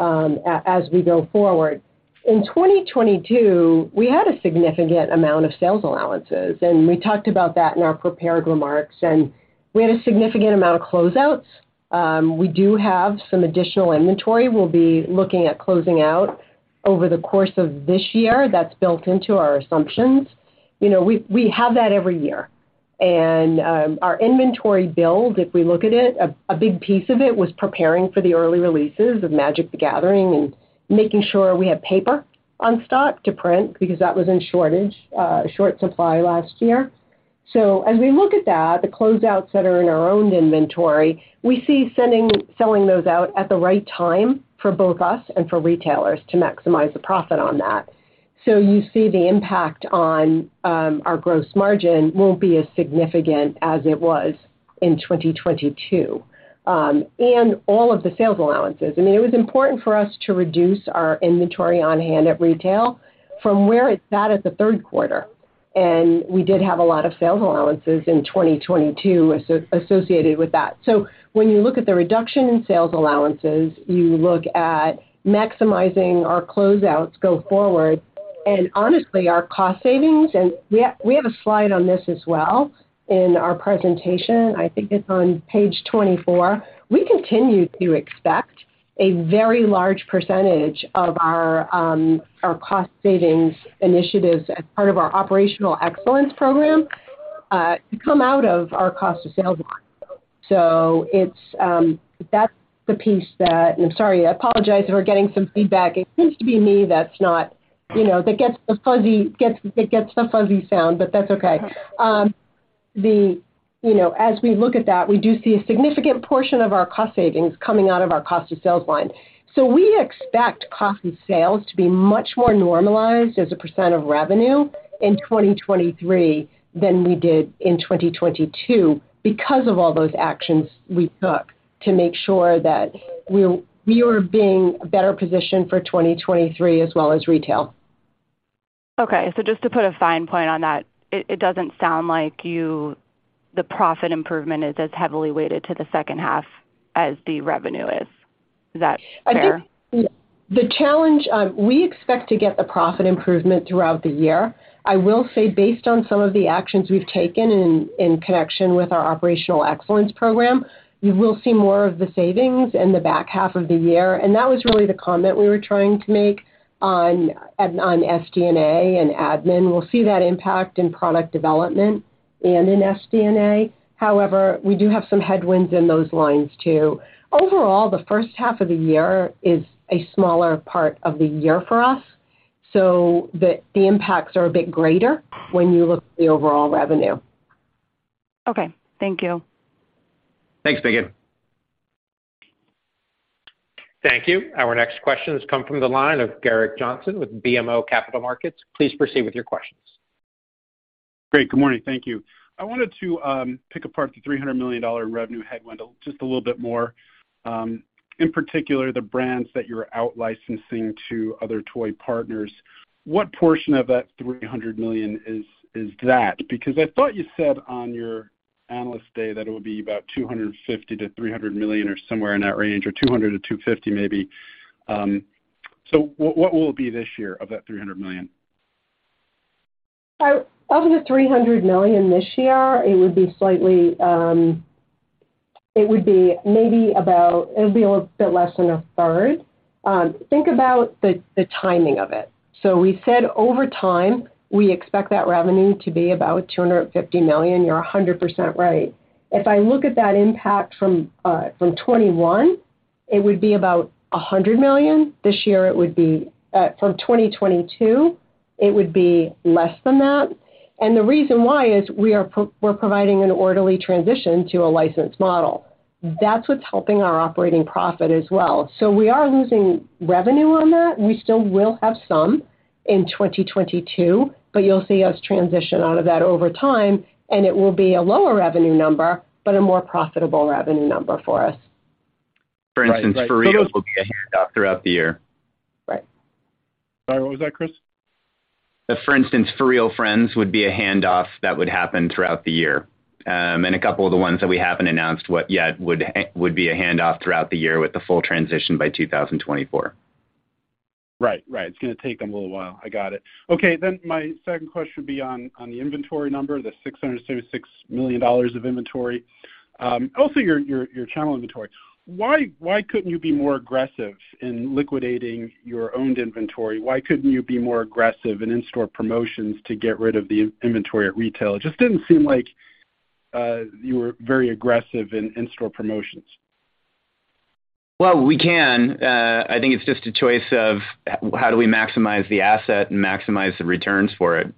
as we go forward. In 2022, we had a significant amount of sales allowances, we talked about that in our prepared remarks, we had a significant amount of closeouts. We do have some additional inventory we'll be looking at closing out over the course of this year. That's built into our assumptions. You know, we have that every year. Our inventory build, if we look at it, a big piece of it was preparing for the early releases of Magic: The Gathering and making sure we have paper on stock to print because that was in shortage, short supply last year. As we look at that, the closeouts that are in our own inventory, we see selling those out at the right time for both us and for retailers to maximize the profit on that. You see the impact on our gross margin won't be as significant as it was in 2022, and all of the sales allowances. I mean, it was important for us to reduce our inventory on hand at retail from where it sat at the third quarter, and we did have a lot of sales allowances in 2022 associated with that. When you look at the reduction in sales allowances, you look at maximizing our closeouts go forward and honestly, our cost savings, and we have a slide on this as well in our presentation. I think it's on page 24. We continue to expect a very large percentage of our cost savings initiatives as part of our operational excellence program come out of our cost of sales line. It's that's the piece that. I'm sorry, I apologize if we're getting some feedback. It seems to be me that's not, you know, that gets the fuzzy sound, but that's okay. You know, as we look at that, we do see a significant portion of our cost savings coming out of our cost of sales line. We expect cost of sales to be much more normalized as a % of revenue in 2023 than we did in 2022 because of all those actions we took to make sure that we are being better positioned for 2023 as well as retail. Just to put a fine point on that, it doesn't sound like the profit improvement is as heavily weighted to the second half as the revenue is. Is that fair? I think the challenge, we expect to get the profit improvement throughout the year. I will say based on some of the actions we've taken in connection with our operational excellence program, you will see more of the savings in the back half of the year, and that was really the comment we were trying to make on SG&A and admin. We'll see that impact in product development and in SG&A. However, we do have some headwinds in those lines too. Overall, the first half of the year is a smaller part of the year for us, so the impacts are a bit greater when you look at the overall revenue. Okay. Thank you. Thanks, Megan. Thank you. Our next question has come from the line of Gerrick Johnson with BMO Capital Markets. Please proceed with your questions. Great. Good morning. Thank you. I wanted to pick apart the $300 million revenue headwind just a little bit more, in particular, the brands that you're out-licensing to other toy partners. What portion of that $300 million is that? I thought you said on your analyst day that it would be about $250 million-$300 million or somewhere in that range, or $200 million-$250 million maybe. What will it be this year of that $300 million? Of the $300 million this year, it would be slightly, it would be a little bit less than a third. Think about the timing of it. We said over time, we expect that revenue to be about $250 million. You're 100% right. If I look at that impact from 2021, it would be about $100 million. This year, it would be, from 2022, it would be less than that. The reason why is we're providing an orderly transition to a licensed model. That's what's helping our operating profit as well. We are losing revenue on that. We still will have some in 2022, but you'll see us transition out of that over time, and it will be a lower revenue number, but a more profitable revenue number for us. For instance, FurReal will be a handoff throughout the year. Right. Sorry, what was that, Chris? That, for instance, FurReal Friends would be a handoff that would happen throughout the year. A couple of the ones that we haven't announced what yet would be a handoff throughout the year with the full transition by 2024. Right. Right. It's gonna take them a little while. I got it. My second question would be on the inventory number, the $676 million of inventory. Also your channel inventory. Why couldn't you be more aggressive in liquidating your owned inventory? Why couldn't you be more aggressive in in-store promotions to get rid of the inventory at retail? It just didn't seem like you were very aggressive in in-store promotions. Well, we can. I think it's just a choice of how do we maximize the asset and maximize the returns for it.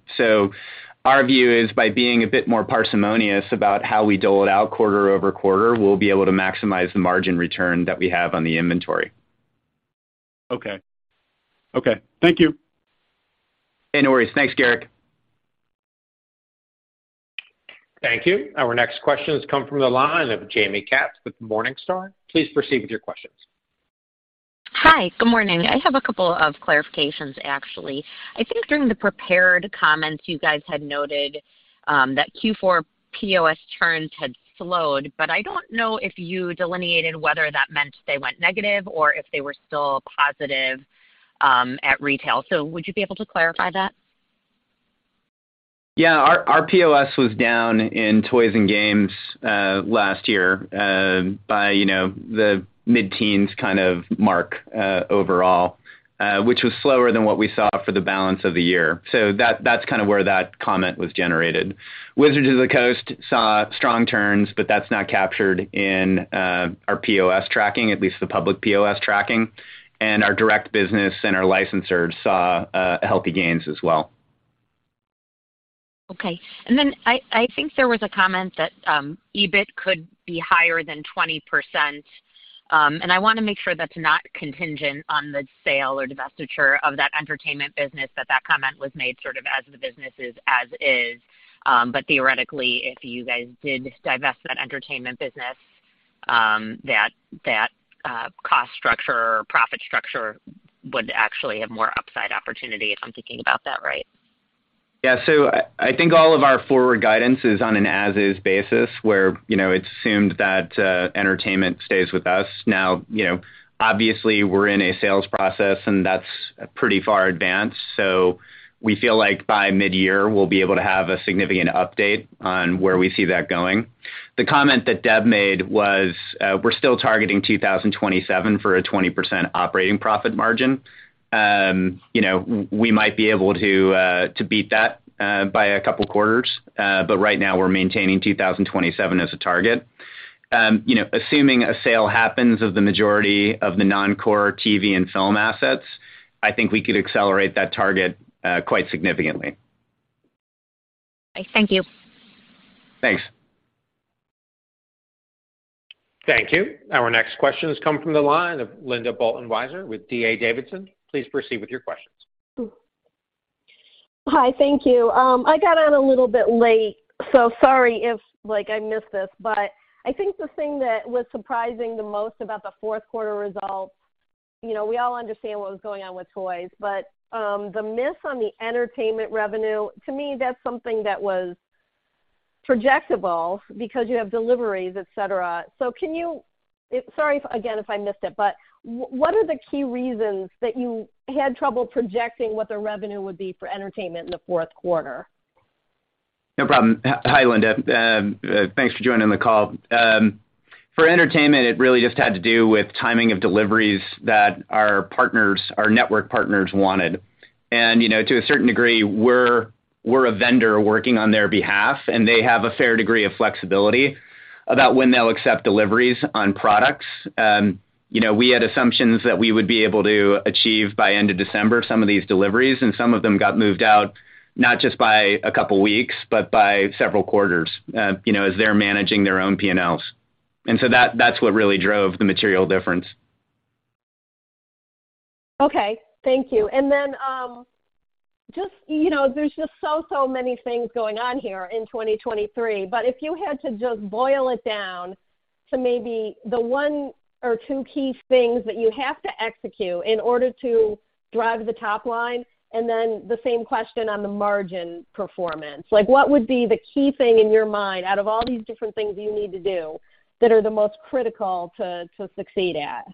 Our view is by being a bit more parsimonious about how we dole it out quarter-over-quarter, we'll be able to maximize the margin return that we have on the inventory. Okay. Okay. Thank you. No worries. Thanks, Gerrick. Thank you. Our next question has come from the line of Jaime Katz with Morningstar. Please proceed with your questions. Hi. Good morning. I have 2 clarifications, actually. I think during the prepared comments, you guys had noted that Q4 POS turns had slowed. I don't know if you delineated whether that meant they went negative or if they were still positive at retail. Would you be able to clarify that? Yeah. Our POS was down in toys and games last year, by, you know, the mid-teens kind of mark, overall, which was slower than what we saw for the balance of the year. That's kinda where that comment was generated. Wizards of the Coast saw strong turns, but that's not captured in our POS tracking, at least the public POS tracking. Our direct business and our licensors saw healthy gains as well. Okay. I think there was a comment that EBIT could be higher than 20%, and I wanna make sure that's not contingent on the sale or divestiture of that entertainment business, that that comment was made sort of as the business is as is. Theoretically, if you guys did divest that entertainment business, that that cost structure or profit structure would actually have more upside opportunity if I'm thinking about that right? Yeah. I think all of our forward guidance is on an as is basis, where, you know, it's assumed that entertainment stays with us. Now, you know, obviously we're in a sales process, and that's pretty far advanced, so we feel like by midyear we'll be able to have a significant update on where we see that going. The comment that Deb made was, we're still targeting 2027 for a 20% operating profit margin. You know, we might be able to beat that by a couple quarters. Right now we're maintaining 2027 as a target. You know, assuming a sale happens of the majority of the non-core TV and film assets, I think we could accelerate that target quite significantly. Thank you. Thanks. Thank you. Our next question has come from the line of Linda Bolton-Weiser with D.A. Davidson. Please proceed with your questions. Hi, thank you. I got on a little bit late, so sorry if, like, I missed this, but I think the thing that was surprising the most about the fourth quarter results, you know, we all understand what was going on with toys, but the miss on the entertainment revenue, to me, that's something that was projectable because you have deliveries, et cetera. Can you. Sorry if, again, if I missed it, but what are the key reasons that you had trouble projecting what the revenue would be for entertainment in the fourth quarter? No problem. Hi, Linda. Thanks for joining the call. For entertainment, it really just had to do with timing of deliveries that our partners, our network partners wanted. You know, to a certain degree, we're a vendor working on their behalf, and they have a fair degree of flexibility about when they'll accept deliveries on products. You know, we had assumptions that we would be able to achieve by end of December some of these deliveries, and some of them got moved out not just by a couple weeks, but by several quarters, you know, as they're managing their own P&Ls. That's what really drove the material difference. Okay. Thank you. Then, just, you know, there's just so many things going on here in 2023, but if you had to just boil it down to maybe the one or two key things that you have to execute in order to drive the top line, and then the same question on the margin performance. Like, what would be the key thing in your mind out of all these different things you need to do that are the most critical to succeed at?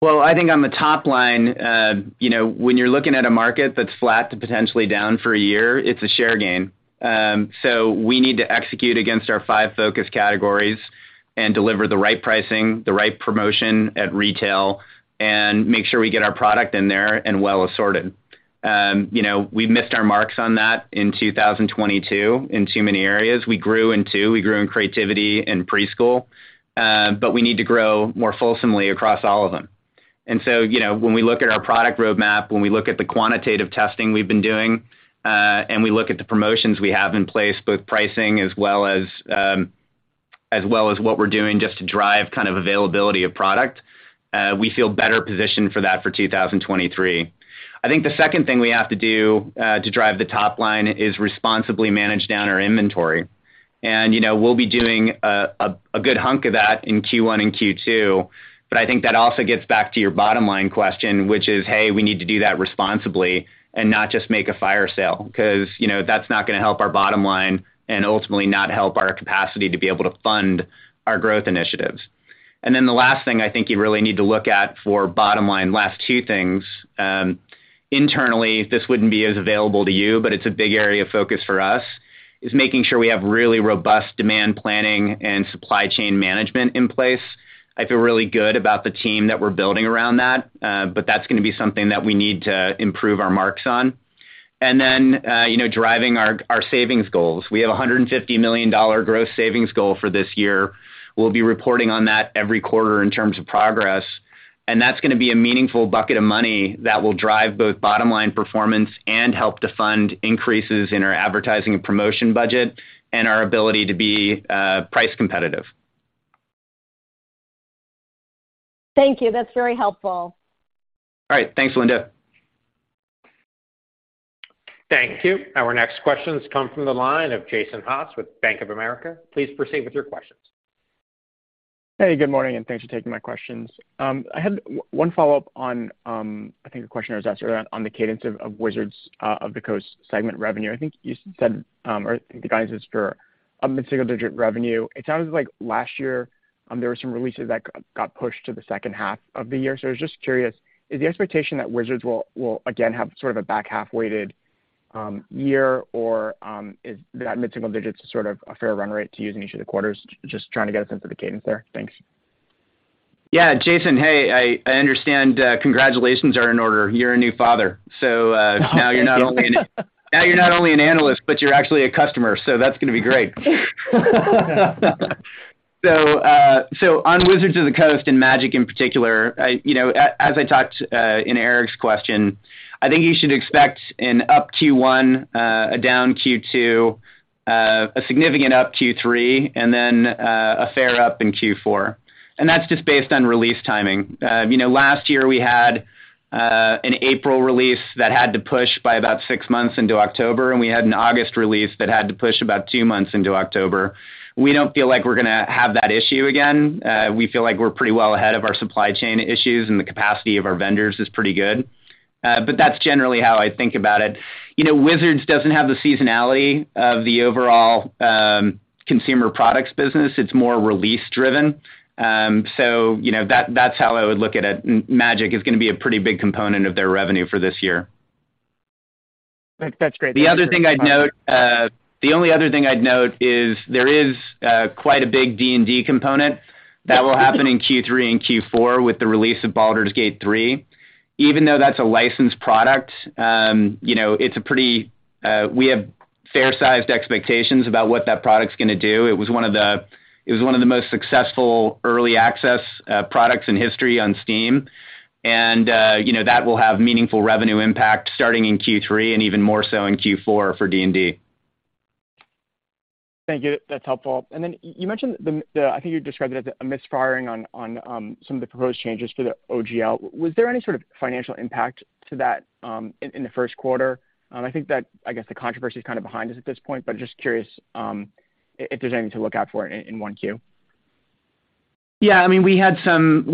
Well, I think on the top line, you know, when you're looking at a market that's flat to potentially down for a year, it's a share gain. We need to execute against our five focus categories and deliver the right pricing, the right promotion at retail, and make sure we get our product in there and well assorted. You know, we missed our marks on that in 2022 in too many areas. We grew in two, we grew in creativity and preschool, we need to grow more fulsomely across all of them. You know, when we look at our product roadmap, when we look at the quantitative testing we've been doing, and we look at the promotions we have in place, both pricing as well as well as what we're doing just to drive kind of availability of product, we feel better positioned for that for 2023. I think the second thing we have to do, to drive the top line is responsibly manage down our inventory. You know, we'll be doing a good hunk of that in Q1 and Q2, but I think that also gets back to your bottom-line question, which is, hey, we need to do that responsibly and not just make a fire sale. 'Cause, you know, that's not gonna help our bottom line and ultimately not help our capacity to be able to fund our growth initiatives. The last thing I think you really need to look at for bottom line, last two things, internally, this wouldn't be as available to you, but it's a big area of focus for us, is making sure we have really robust demand planning and supply chain management in place. I feel really good about the team that we're building around that, but that's gonna be something that we need to improve our marks on. You know, driving our savings goals. We have a $150 million gross savings goal for this year. We'll be reporting on that every quarter in terms of progress, and that's gonna be a meaningful bucket of money that will drive both bottom line performance and help to fund increases in our advertising and promotion budget and our ability to be price competitive. Thank you. That's very helpful. All right. Thanks, Linda. Thank you. Our next questions come from the line of Jason Haas with Bank of America. Please proceed with your questions. Good morning, and thanks for taking my questions. I had one follow-up on, I think the question was asked earlier on the cadence of Wizards of the Coast segment revenue. I think you said, or I think the guidance is for a mid-single digit revenue. It sounds like last year, there were some releases that got pushed to the second half of the year. I was just curious, is the expectation that Wizards will again have sort of a back half weighted year, or is that mid-single digits sort of a fair run rate to use in each of the quarters? Just trying to get a sense of the cadence there. Thanks. Yeah. Jason, hey. I understand, congratulations are in order. You're a new father. Oh, thank you. Now you're not only an analyst, but you're actually a customer, so that's gonna be great. On Wizards of the Coast and Magic in particular, I, you know, as I talked in Eric's question, I think you should expect an up Q1, a down Q2, a significant up Q3, and then a fair up in Q4. That's just based on release timing. You know, last year we had an April release that had to push by about six months into October, and we had an August release that had to push about two months into October. We don't feel like we're gonna have that issue again. We feel like we're pretty well ahead of our supply chain issues, and the capacity of our vendors is pretty good. That's generally how I think about it. You know, Wizards doesn't have the seasonality of the overall consumer products business. It's more release driven. You know, that's how I would look at it. Magic is gonna be a pretty big component of their revenue for this year. That's great. The other thing I'd note. The only other thing I'd note is there is quite a big D&D component that will happen in Q3 and Q4 with the release of Baldur's Gate 3. Even though that's a licensed product, you know, it's a pretty, we have fair-sized expectations about what that product's gonna do. It was one of the most successful early access products in history on Steam. You know, that will have meaningful revenue impact starting in Q3 and even more so in Q4 for D&D. Thank you. That's helpful. Then you mentioned I think you described it as a misfiring on some of the proposed changes to the OGL. Was there any sort of financial impact to that in the first quarter? I think that, I guess, the controversy is kind of behind us at this point, but just curious if there's anything to look out for in 1Q. Yeah. I mean, we had some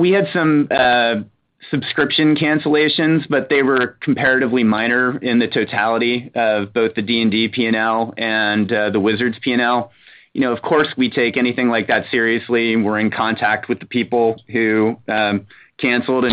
subscription cancellations, but they were comparatively minor in the totality of both the D&D P&L and the Wizards P&L. You know, of course, we take anything like that seriously, and we're in contact with the people who canceled.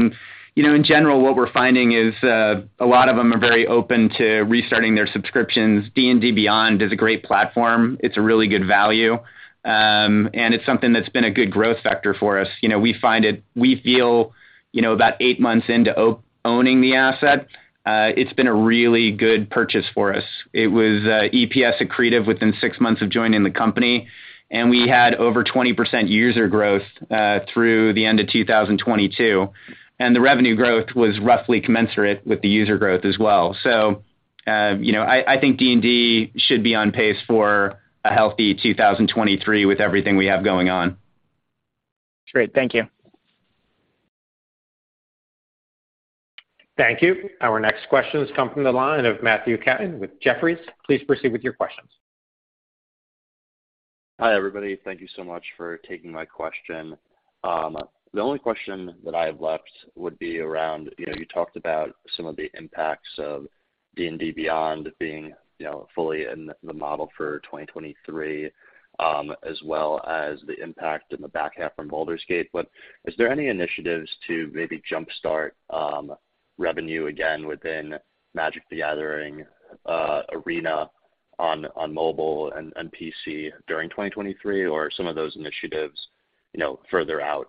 You know, in general, what we're finding is a lot of them are very open to restarting their subscriptions. D&D Beyond is a great platform. It's a really good value. It's something that's been a good growth factor for us. You know, we feel, you know, about eight months into owning the asset, it's been a really good purchase for us. It was EPS accretive within 6 months of joining the company, and we had over 20% user growth through the end of 2022. The revenue growth was roughly commensurate with the user growth as well. you know, I think D&D should be on pace for a healthy 2023 with everything we have going on. Great. Thank you. Thank you. Our next question has come from the line of Matthew DeYoe with Jefferies. Please proceed with your questions. Hi, everybody. Thank you so much for taking my question. The only question that I have left would be around, you know, you talked about some of the impacts of D&D Beyond being, you know, fully in the model for 2023, as well as the impact in the back half from Baldur's Gate. Is there any initiatives to maybe jump-start revenue again within Magic: The Gathering, Arena on mobile and PC during 2023 or some of those initiatives, you know, further out,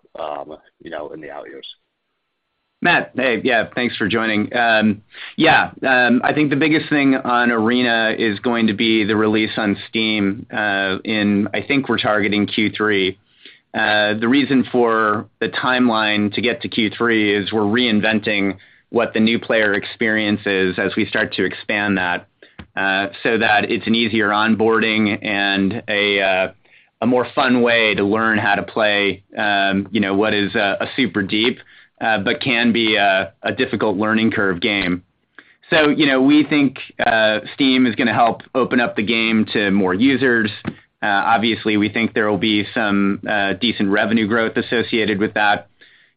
you know, in the out years? Matt, hey. Yeah, thanks for joining. I think the biggest thing on Arena is going to be the release on Steam, in I think we're targeting Q3. The reason for the timeline to get to Q3 is we're reinventing what the new player experience is as we start to expand that, so that it's an easier onboarding and a more fun way to learn how to play, you know, what is a super deep, but can be a difficult learning curve game. You know, we think Steam is gonna help open up the game to more users. Obviously we think there will be some decent revenue growth associated with that.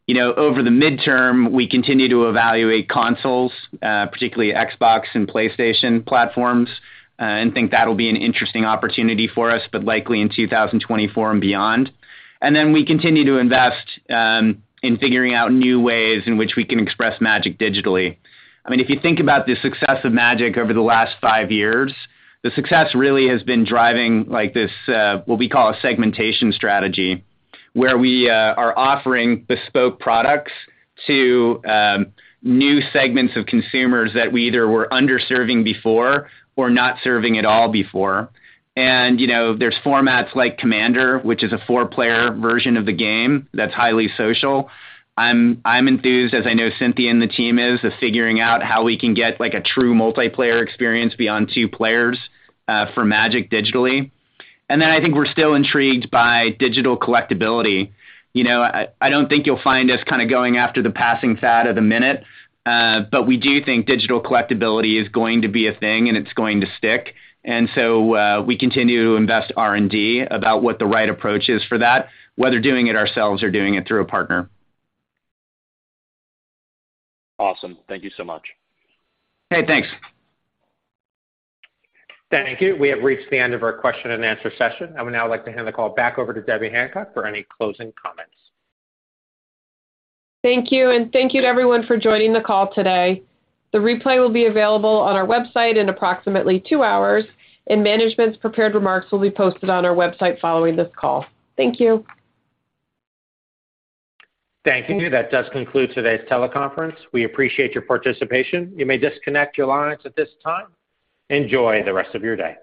You know, over the midterm, we continue to evaluate consoles, particularly Xbox and PlayStation platforms, and think that'll be an interesting opportunity for us, but likely in 2024 and beyond. Then we continue to invest in figuring out new ways in which we can express Magic digitally. I mean, if you think about the success of Magic over the last five years, the success really has been driving like this, what we call a segmentation strategy, where we are offering bespoke products to new segments of consumers that we either were underserving before or not serving at all before. You know, there's formats like Commander, which is a four-player version of the game that's highly social. I'm enthused, as I know Cynthia and the team is, of figuring out how we can get like a true multiplayer experience beyond two players for Magic digitally. I think we're still intrigued by digital collectibility. You know, I don't think you'll find us kinda going after the passing fad of the minute, but we do think digital collectibility is going to be a thing and it's going to stick. We continue to invest R&D about what the right approach is for that, whether doing it ourselves or doing it through a partner. Awesome. Thank you so much. Hey, thanks. Thank you. We have reached the end of our question and answer session. I would now like to hand the call back over to Debbie Hancock for any closing comments. Thank you. Thank you to everyone for joining the call today. The replay will be available on our website in approximately two hours, and management's prepared remarks will be posted on our website following this call. Thank you. Thank you. That does conclude today's teleconference. We appreciate your participation. You may disconnect your lines at this time. Enjoy the rest of your day.